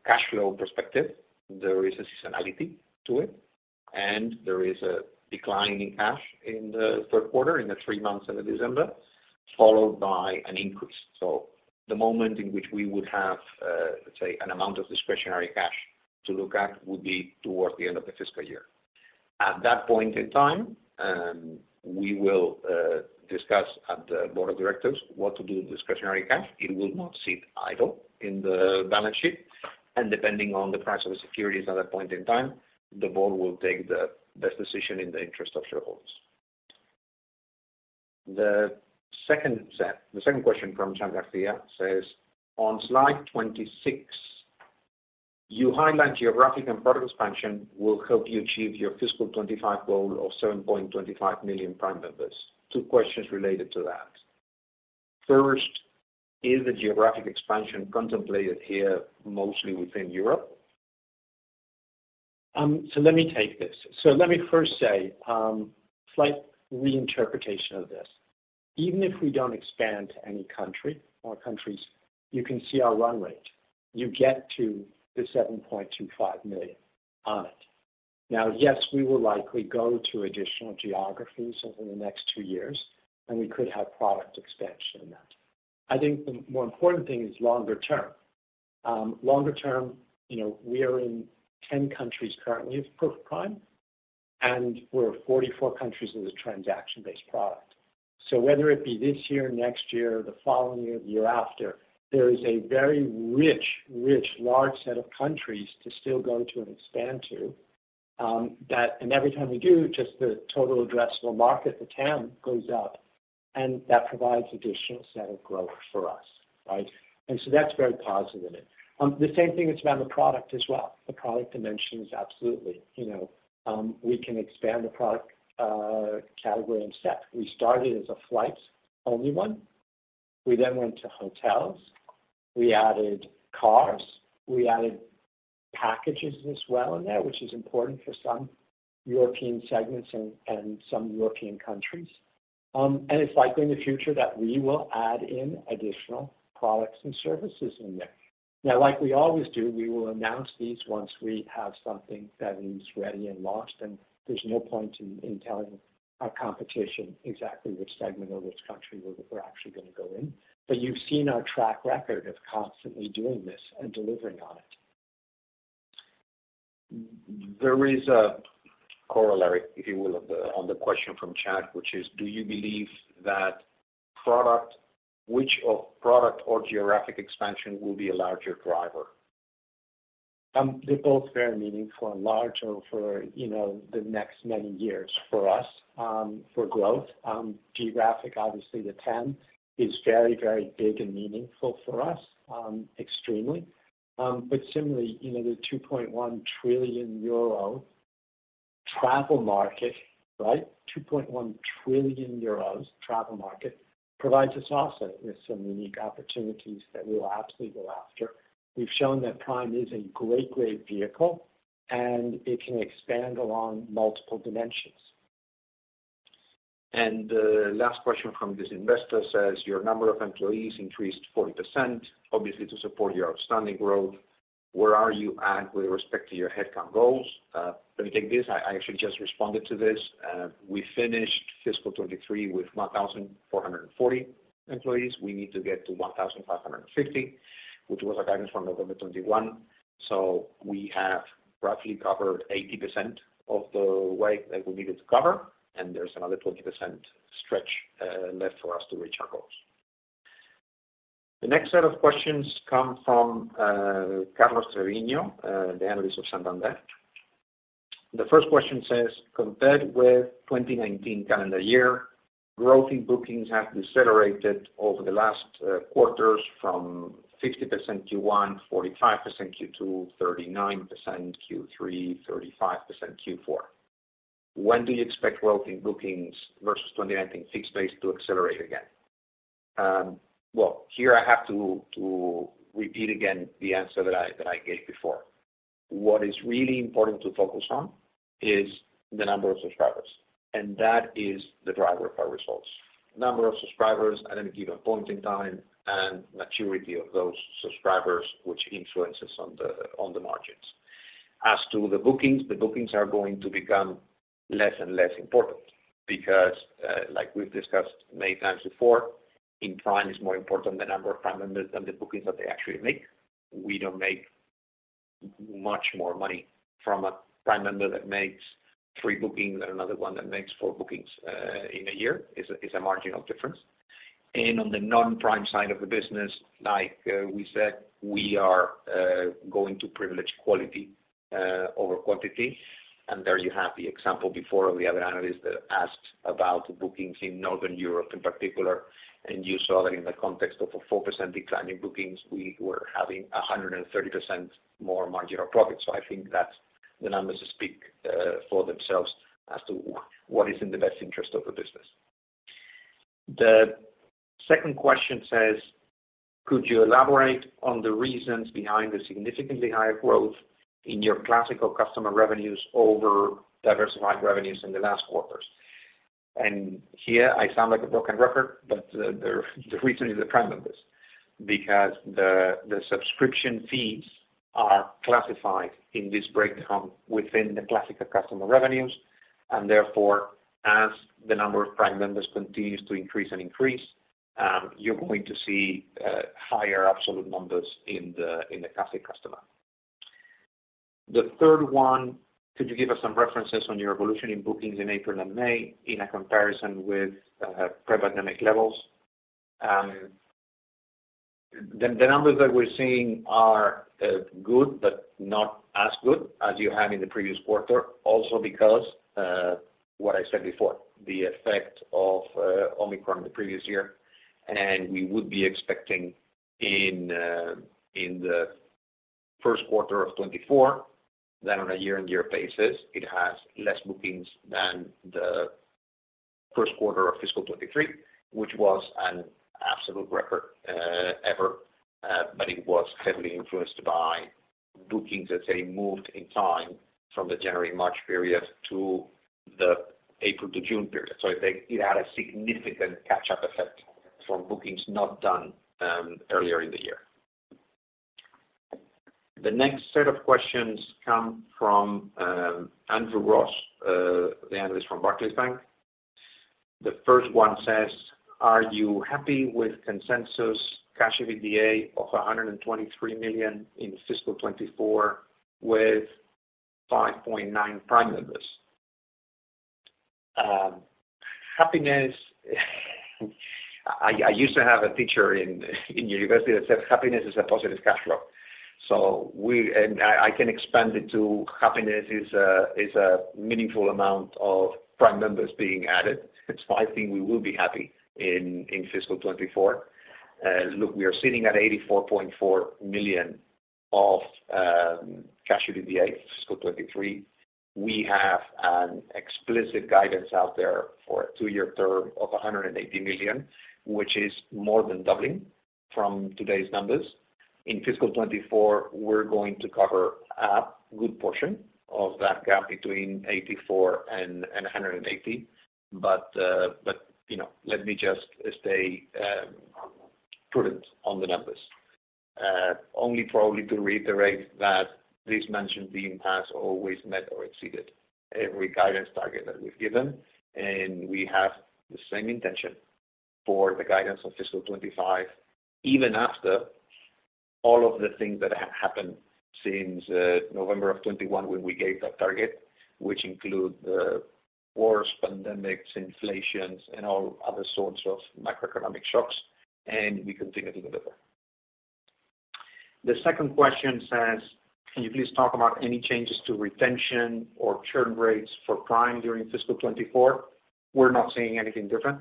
cash flow perspective, there is a seasonality to it, and there is a decline in cash in the 3Q, in the 3 months of December, followed by an increase. The moment in which we would have, let's say, an amount of discretionary cash to look at, would be towards the end of the fiscal year. At that point in time, we will discuss at the board of directors what to do with discretionary cash. It will not sit idle in the balance sheet, and depending on the price of the securities at that point in time, the board will take the best decision in the interest of shareholders. The second question from Chad Garcia says, "On slide 26, you highlight geographic and product expansion will help you achieve your fiscal 2025 goal of 7.25 million Prime members." Two questions related to that. First, is the geographic expansion contemplated here mostly within Europe? Let me take this. Let me first say, slight reinterpretation of this. Even if we don't expand to any country or countries, you can see our run rate. You get to the 7.25 million on it. Yes, we will likely go to additional geographies over the next two years, and we could have product expansion in that. I think the more important thing is longer term. Longer term, you know, we are in 10 countries currently with Prime, and we're 44 countries with a transaction-based product. Whether it be this year, next year, or the following year, the year after, there is a very rich, large set of countries to still go to and expand to. Every time we do, just the total addressable market, the TAM, goes up, and that provides additional set of growth for us, right? That's very positive. The same thing that's around the product as well. The product dimension is absolutely. You know, we can expand the product category and set. We started as a flight-only one. We then went to hotels. We added cars, we added packages as well in there, which is important for some European segments and some European countries. It's likely in the future that we will add in additional products and services in there. Now, like we always do, we will announce these once we have something that is ready and launched, and there's no point in telling our competition exactly which segment or which country we're actually going to go in. You've seen our track record of constantly doing this and delivering on it. There is a corollary, if you will, on the, on the question from Chad, which is: Do you believe that which of product or geographic expansion will be a larger driver? They're both very meaningful and large over, you know, the next many years for us, for growth. Geographic, obviously, the 10 is very big and meaningful for us, extremely. Similarly, you know, the 2.1 trillion euro travel market, right? 2.1 trillion euros travel market provides us also with some unique opportunities that we will absolutely go after. We've shown that Prime is a great vehicle, and it can expand along multiple dimensions. The last question from this investor says: Your number of employees increased 40%, obviously, to support your outstanding growth. Where are you at with respect to your headcount goals? Let me take this. I actually just responded to this. We finished fiscal 2023 with 1,440 employees. We need to get to 1,550, which was our guidance from November 2021. We have roughly covered 80% of the way that we needed to cover, and there's another 20% stretch left for us to reach our goals. The next set of questions come from Carlos Treviño, the analyst of Santander. The first question says, "Compared with 2019 calendar year, growth in bookings have decelerated over the last quarters from 60% Q1, 45% Q2, 39% Q3, 35% Q4. When do you expect growth in bookings versus 2019 fixed base to accelerate again?" Well, here I have to repeat again the answer that I gave before. What is really important to focus on is the number of subscribers, and that is the driver of our results. Number of subscribers at any given point in time, and maturity of those subscribers, which influences on the margins. As to the bookings, the bookings are going to become less and less important because, like we've discussed many times before, in Prime, it's more important the number of Prime members than the bookings that they actually make. much more money from a Prime member that makes three bookings than another one that makes four bookings in a year, is a marginal difference. On the non-Prime side of the business, like we said, we are going to privilege quality over quantity. There you have the example before, we have an analyst that asked about bookings in Northern Europe in particular, and you saw that in the context of a 4% decline in bookings, we were having 130% more marginal profits. I think that the numbers speak for themselves as to what is in the best interest of the business. The second question says: Could you elaborate on the reasons behind the significantly higher growth in your classical customer revenues over diversified revenues in the last quarters? Here I sound like a broken record, but the reason is the Prime members. The subscription fees are classified in this breakdown within the classical customer revenues. Therefore, as the number of Prime members continues to increase and increase, you're going to see higher absolute numbers in the classic customer. The third one: Could you give us some references on your evolution in bookings in April and May in a comparison with pre-pandemic levels? The numbers that we're seeing are good, but not as good as you had in the previous quarter. Because what I said before, the effect of Omicron the previous year, and we would be expecting in the first quarter of 2024, that on a year-on-year basis, it has less bookings than the first quarter of fiscal 2023, which was an absolute record ever, but it was heavily influenced by bookings that had moved in time from the January-March period to the April to June period. I think it had a significant catch-up effect from bookings not done earlier in the year. The next set of questions come from Andrew Ross, the analyst from Barclays. The first one says: Are you happy with consensus Cash EBITDA of 123 million in fiscal 2024 with 5.9 Prime members? Happiness, I used to have a teacher in university that said, "Happiness is a positive cash flow." And I can expand it to happiness is a meaningful amount of Prime members being added. I think we will be happy in fiscal 2024. Look, we are sitting at 84.4 million of Cash EBITDA, fiscal 2023. We have an explicit guidance out there for a two-year term of 180 million, which is more than doubling from today's numbers. In fiscal 2024, we're going to cover a good portion of that gap between 84 and 180. you know, let me just stay prudent on the numbers. Only probably to reiterate that this mentioned team has always met or exceeded every guidance target that we've given. We have the same intention for the guidance of fiscal 25, even after all of the things that have happened since November of 2021 when we gave that target, which include wars, pandemics, inflations, and all other sorts of macroeconomic shocks. We continue to deliver. The second question says: Can you please talk about any changes to retention or churn rates for Prime during fiscal 24? We're not seeing anything different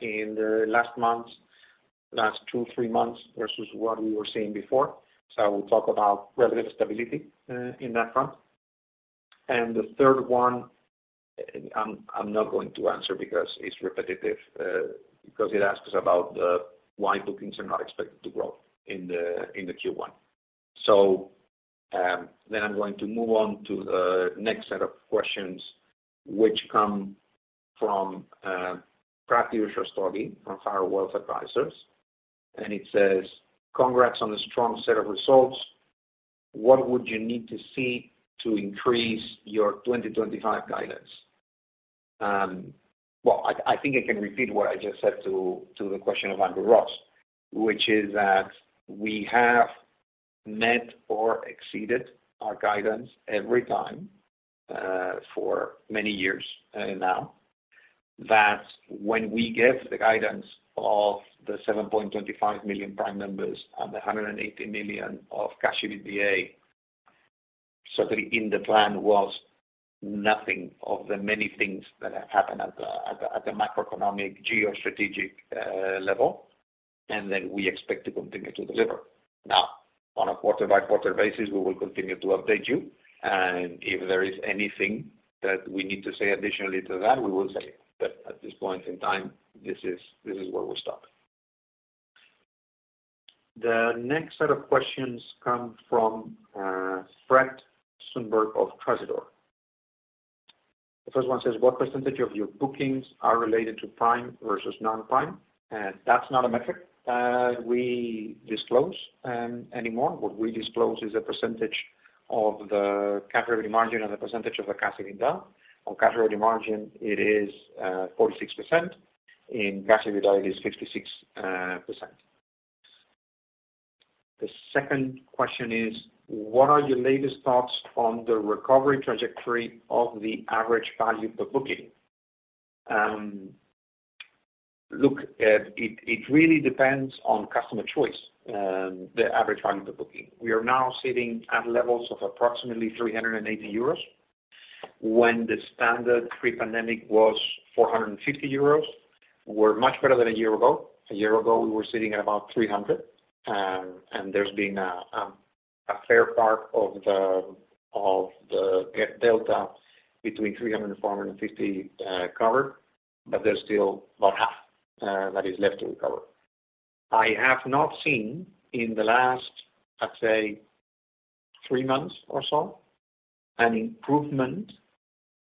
in the last months, last two, three months, versus what we were seeing before. I will talk about relative stability in that front. The third one, I'm not going to answer because it's repetitive, because it asks about why bookings are not expected to grow in the Q1. I'm going to move on to the next set of questions, which come from Pratyush Rastogi from Farrer Wealth Advisors, and it says: Congrats on the strong set of results. What would you need to see to increase your 2025 guidance? Well, I think I can repeat what I just said to the question of Andrew Ross, which is that we have met or exceeded our guidance every time for many years now. When we gave the guidance of the 7.25 million Prime members and the 180 million of Cash EBITDA, certainly in the plan was nothing of the many things that happened at the macroeconomic, geostrategic level, we expect to continue to deliver. On a quarter-by-quarter basis, we will continue to update you. If there is anything that we need to say additionally to that, we will say it. At this point in time, this is where we're stopping. The next set of questions come from Fred Sundberg of Tresidder. The first one says: What percentage of your bookings are related to Prime versus non-Prime? That's not a metric we disclose anymore. What we disclose is a percentage of the category margin and the percentage of the Cash EBITDA. On category margin, it is 46%. In basket value is 56%. The second question is: what are your latest thoughts on the recovery trajectory of the average value per booking? Look, it really depends on customer choice, the average value per booking. We are now sitting at levels of approximately 380 euros, when the standard pre-pandemic was 450 euros. We're much better than a year ago. A year ago, we were sitting at about 300, and there's been a fair part of the delta between 300 and 450 covered, but there's still about half that is left to recover. I have not seen in the last, I'd say three months or so, an improvement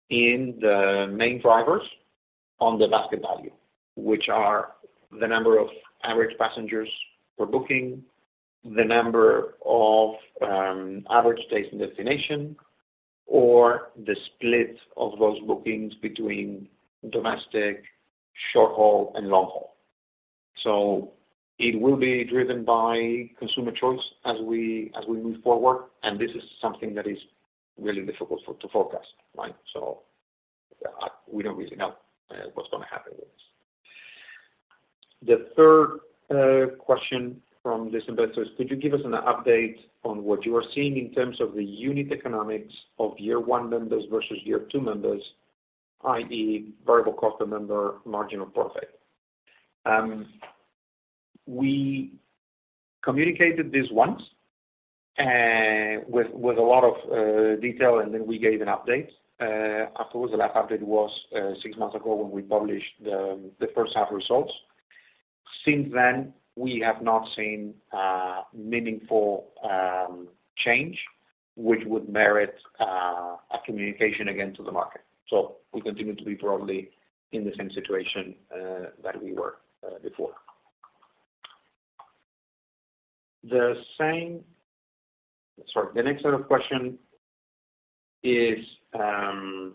in the main drivers on the basket value, which are the number of average passengers per booking, the number of average days in destination, or the split of those bookings between domestic, short-haul, and long-haul. It will be driven by consumer choice as we move forward, and this is something that is really difficult to forecast, right? We don't really know what's going to happen with this. The third question from this investor is: could you give us an update on what you are seeing in terms of the unit economics of year one members versus year two members, i.e., variable cost per member, margin, or profit? We communicated this once with a lot of detail, and then we gave an update. Afterwards, the last update was six months ago, when we published the H1 results. Since then, we have not seen a meaningful change which would merit a communication again to the market. We continue to be broadly in the same situation that we were before. Sorry. The next set of question is from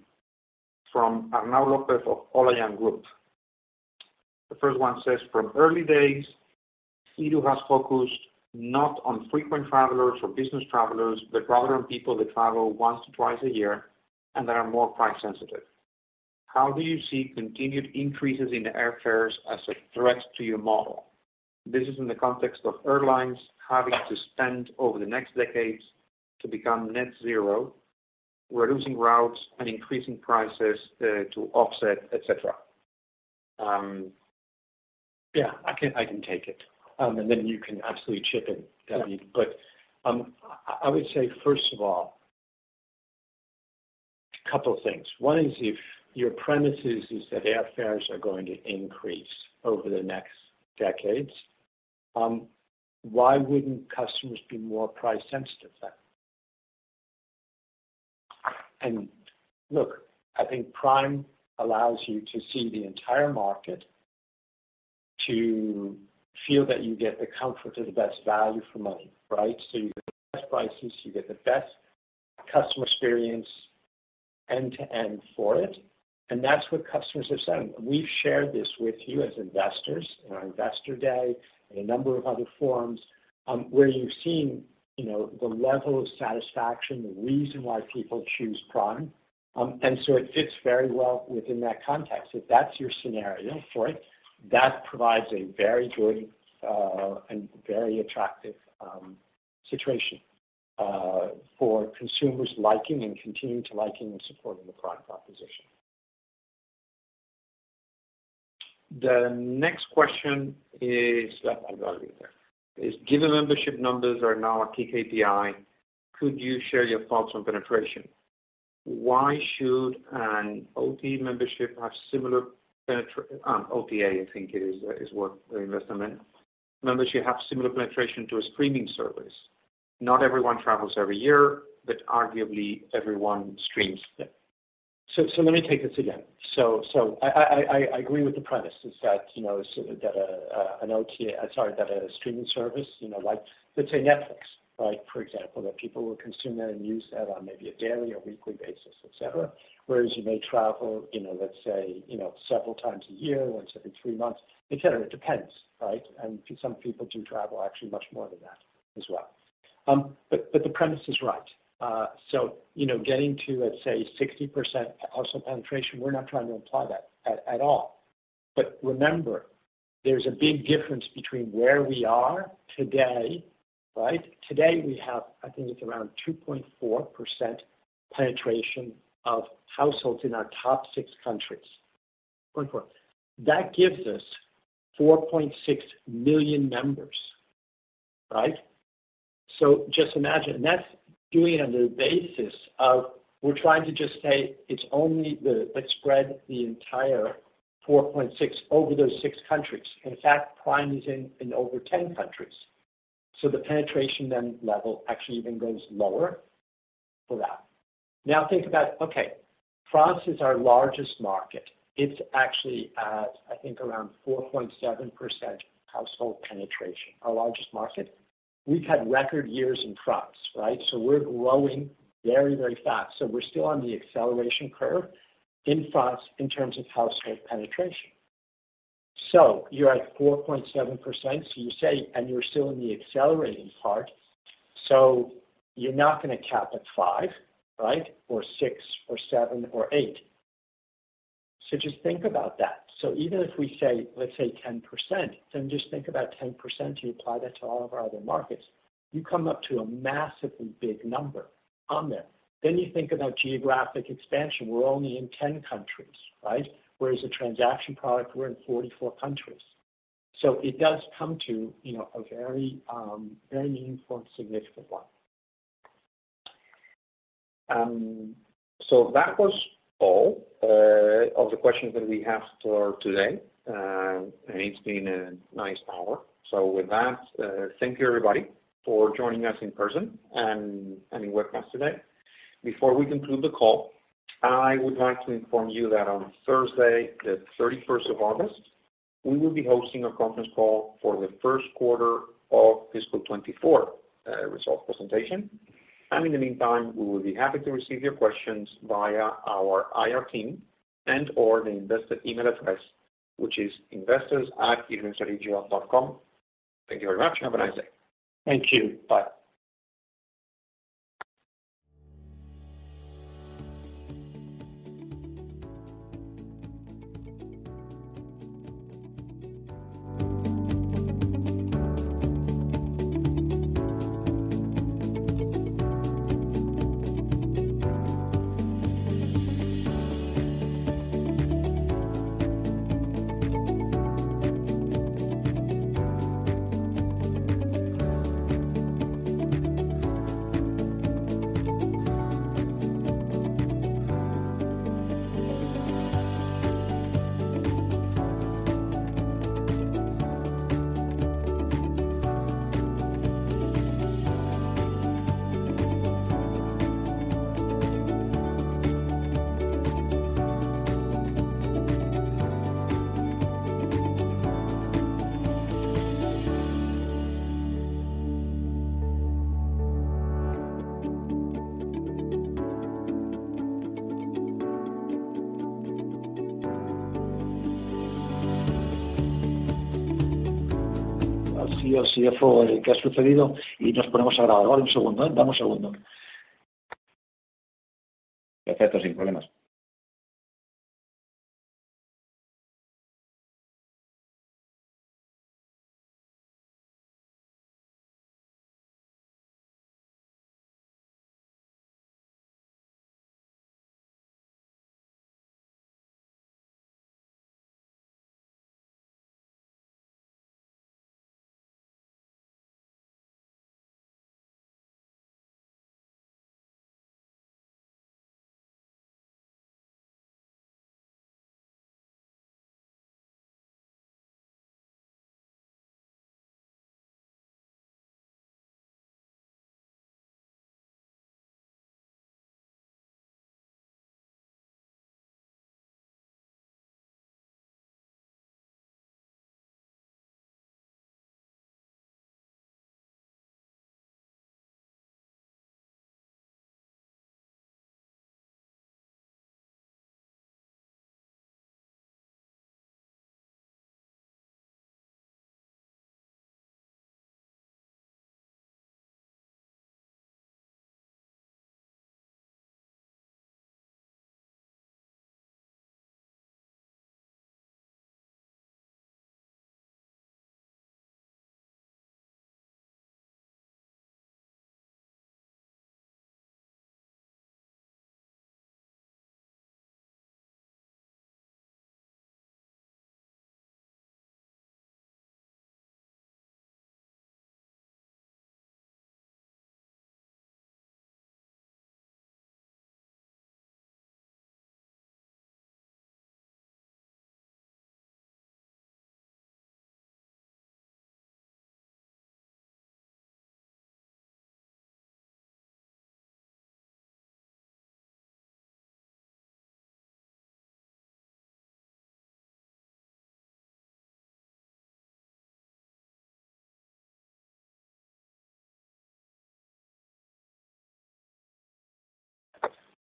Arnau Lopez of Olayan Group. The first one says, "From early days, eDreams has focused not on frequent travelers or business travelers, but rather on people that travel once, twice a year and that are more price sensitive. How do you see continued increases in the airfares as a threat to your model? This is in the context of airlines having to spend over the next decades to become net zero, reducing routes and increasing prices to offset, et cetera. Yeah, I can take it, and then you can absolutely chip in, David. Yeah. I would say, first of all, couple things. One is if your premises is that airfares are going to increase over the next decades, why wouldn't customers be more price sensitive then? Look, I think Prime allows you to see the entire market, to feel that you get the comfort of the best value for money, right? So you get the best prices, you get the best customer experience end-to-end for it, and that's what customers are saying. We've shared this with you as investors in our Investor Day and a number of other forums, where you've seen, you know, the level of satisfaction, the reason why people choose Prime. It fits very well within that context. If that's your scenario for it, that provides a very good, and very attractive, situation, for consumers liking and continuing to liking and supporting the Prime proposition. The next question is, I've got it here, is: given membership numbers are now a key KPI, could you share your thoughts on penetration? Why should an OTA membership have similar OTA, I think it is what the investor meant. Membership have similar penetration to a streaming service. Not everyone travels every year, but arguably, everyone streams. Let me take this again. I agree with the premise is that, you know, so that an OTA, sorry, that a streaming service, you know, like, let's say Netflix, right? For example, that people will consume that and use that on maybe a daily or weekly basis, et cetera. Whereas you may travel, you know, let's say, you know, several times a year, once every three months, et cetera. It depends, right? Some people do travel actually much more than that as well. The premise is right. You know, getting to, let's say, 60% household penetration, we're not trying to imply that at all. Remember, there's a big difference between where we are today, right? Today we have, I think it's around 2.4% penetration of households in our top six countries. 0.4%. That gives us 4.6 million members, right? Just imagine, that's doing it on the basis of we're trying to just say it's only let's spread the entire 4.6 over those six countries. In fact, Prime is in over 10 countries, the penetration then level actually even goes lower for that. Now, think about, okay, France is our largest market. It's actually at, I think, around 4.7% household penetration, our largest market. We've had record years in France, right? We're growing very, very fast. We're still on the acceleration curve in France in terms of household penetration. You're at 4.7%, so you say, and you're still in the accelerating part, so you're not going to cap at 5, right? Six, or seven or eight. Just think about that. Even if we say, let's say 10%, just think about 10%, you apply that to all of our other markets, you come up to a massively big number on there. You think about geographic expansion. We're only in 10 countries, right? Whereas a transaction product, we're in 44 countries. It does come to, you know, a very, very meaningful and significant one. That was all of the questions that we have for today. It's been a nice hour. With that, thank you, everybody, for joining us in person and in webcast today. Before we conclude the call, I would like to inform you that on Thursday, the 31 August, we will be hosting a conference call for the first quarter of fiscal 2024 results presentation. In the meantime, we will be happy to receive your questions via our IR team and or the investor email address, which is investors@edreamsodigeo.com. Thank you very much. Have a nice day. Thank you. Bye. What has succeeded?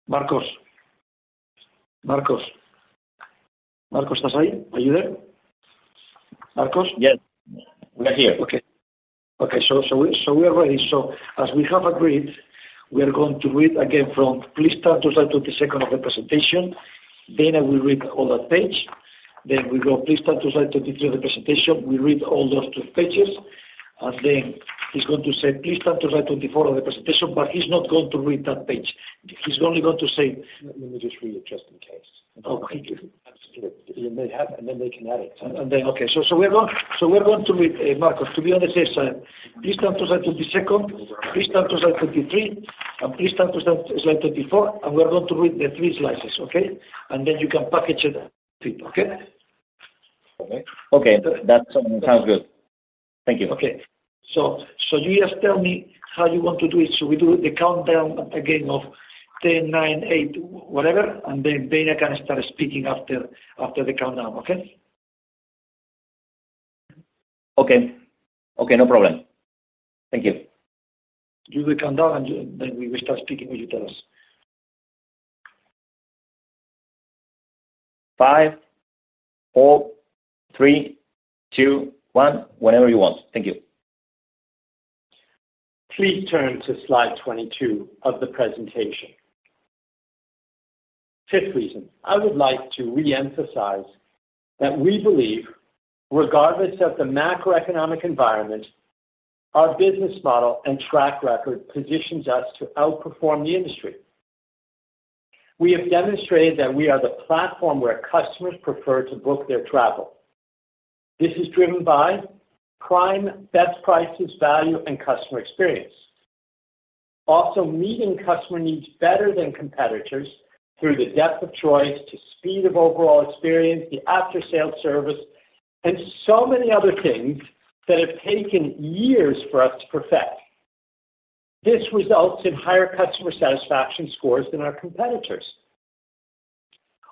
Marcos. Marcos? Marcos, are you there? Marcos? Yes, we're here. Okay. Okay, we are ready. As we have agreed, we are going to read again from please turn to slide 22nd of the presentation. I will read all that page. We go, please turn to slide 23 of the presentation. He's going to say, please turn to slide 24 of the presentation. He's not going to read that page. He's only going to say- Let me just read it just in case. Oh, thank you. Absolutely. They can add it. Okay. We're going to read, Marcos, to be on the safe side, please turn to slide 22nd, please turn to slide 23, and please turn to slide 24. We are going to read the three slices, okay? You can package it up, okay? Okay. Okay, that sounds good. Thank you. Okay. You just tell me how you want to do it. We do the countdown again of 10, nine, eight, whatever, and then Dana can start speaking after the countdown, okay? Okay. Okay, no problem. Thank you. You will come down, and then we will start speaking when you tell us. Five, four, three, two, one. Whenever you want. Thank you. Please turn to slide 22 of the presentation. Fifth reason: I would like to re-emphasize that we believe, regardless of the macroeconomic environment, our business model and track record positions us to outperform the industry. We have demonstrated that we are the platform where customers prefer to book their travel. This is driven by Prime, best prices, value, and customer experience. Meeting customer needs better than competitors through the depth of choice, to speed of overall experience, the after-sale service, and so many other things that have taken years for us to perfect. This results in higher customer satisfaction scores than our competitors.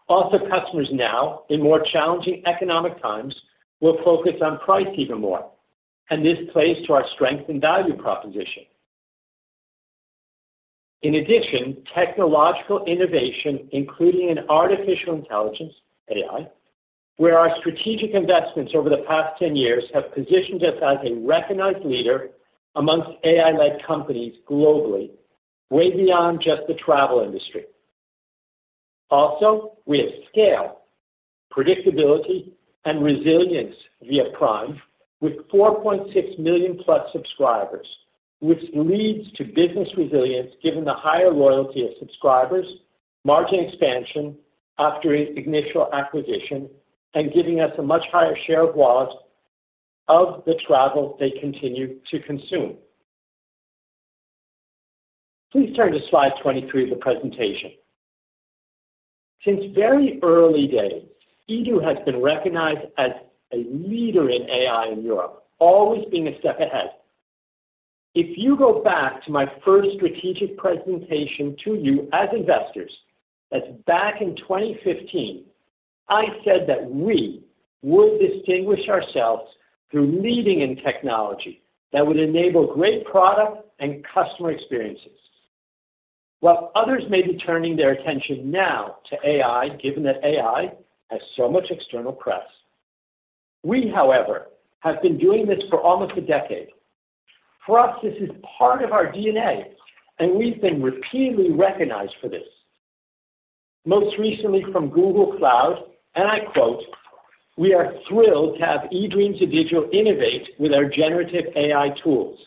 Customers now, in more challenging economic times, will focus on price even more, and this plays to our strength and value proposition. Technological innovation, including in artificial intelligence, AI, where our strategic investments over the past 10 years have positioned us as a recognized leader amongst AI-led companies globally, way beyond just the travel industry. We have scale, predictability, and resilience via Prime, with 4.6 million-plus subscribers, which leads to business resilience, given the higher loyalty of subscribers, margin expansion after initial acquisition, and giving us a much higher share of wallet of the travel they continue to consume. Please turn to slide 23 of the presentation. Since very early days, eDreams has been recognized as a leader in AI in Europe, always being a step ahead. If you go back to my first strategic presentation to you as investors, that's back in 2015, I said that we would distinguish ourselves through leading in technology that would enable great product and customer experiences. While others may be turning their attention now to AI, given that AI has so much external press, we, however, have been doing this for almost a decade. For us, this is part of our DNA, and we've been repeatedly recognized for this. Most recently from Google Cloud, and I quote, "We are thrilled to have eDreams ODIGEO innovate with our generative AI tools.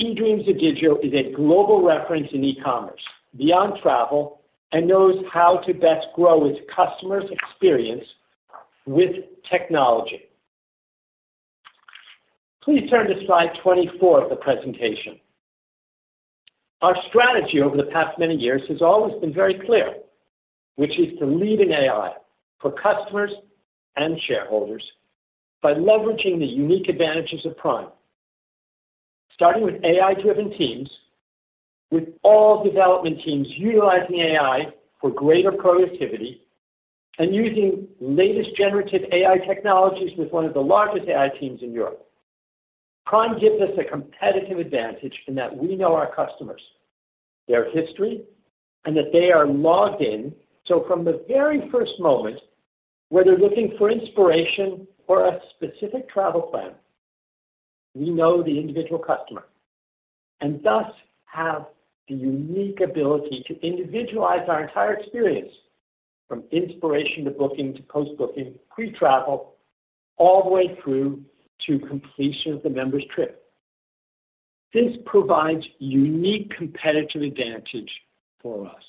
eDreams ODIGEO is a global reference in e-commerce, beyond travel, and knows how to best grow its customers' experience with technology." Please turn to slide 24 of the presentation. Our strategy over the past many years has always been very clear, which is to lead in AI for customers and shareholders by leveraging the unique advantages of Prime. Starting with AI-driven teams, with all development teams utilizing AI for greater productivity and using latest generative AI technologies with one of the largest AI teams in Europe. Prime gives us a competitive advantage in that we know our customers, their history, and that they are logged in. From the very first moment, whether looking for inspiration or a specific travel plan, we know the individual customer, and thus have the unique ability to individualize our entire experience, from inspiration, to booking, to post-booking, pre-travel, all the way through to completion of the member's trip. This provides unique competitive advantage for us.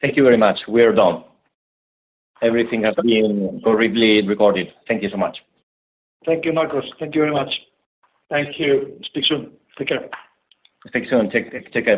Thank you very much. We are done. Everything has been correctly recorded. Thank you so much. Thank you, Marcos. Thank you very much. Thank you. Speak soon. Take care. Speak soon. Take care.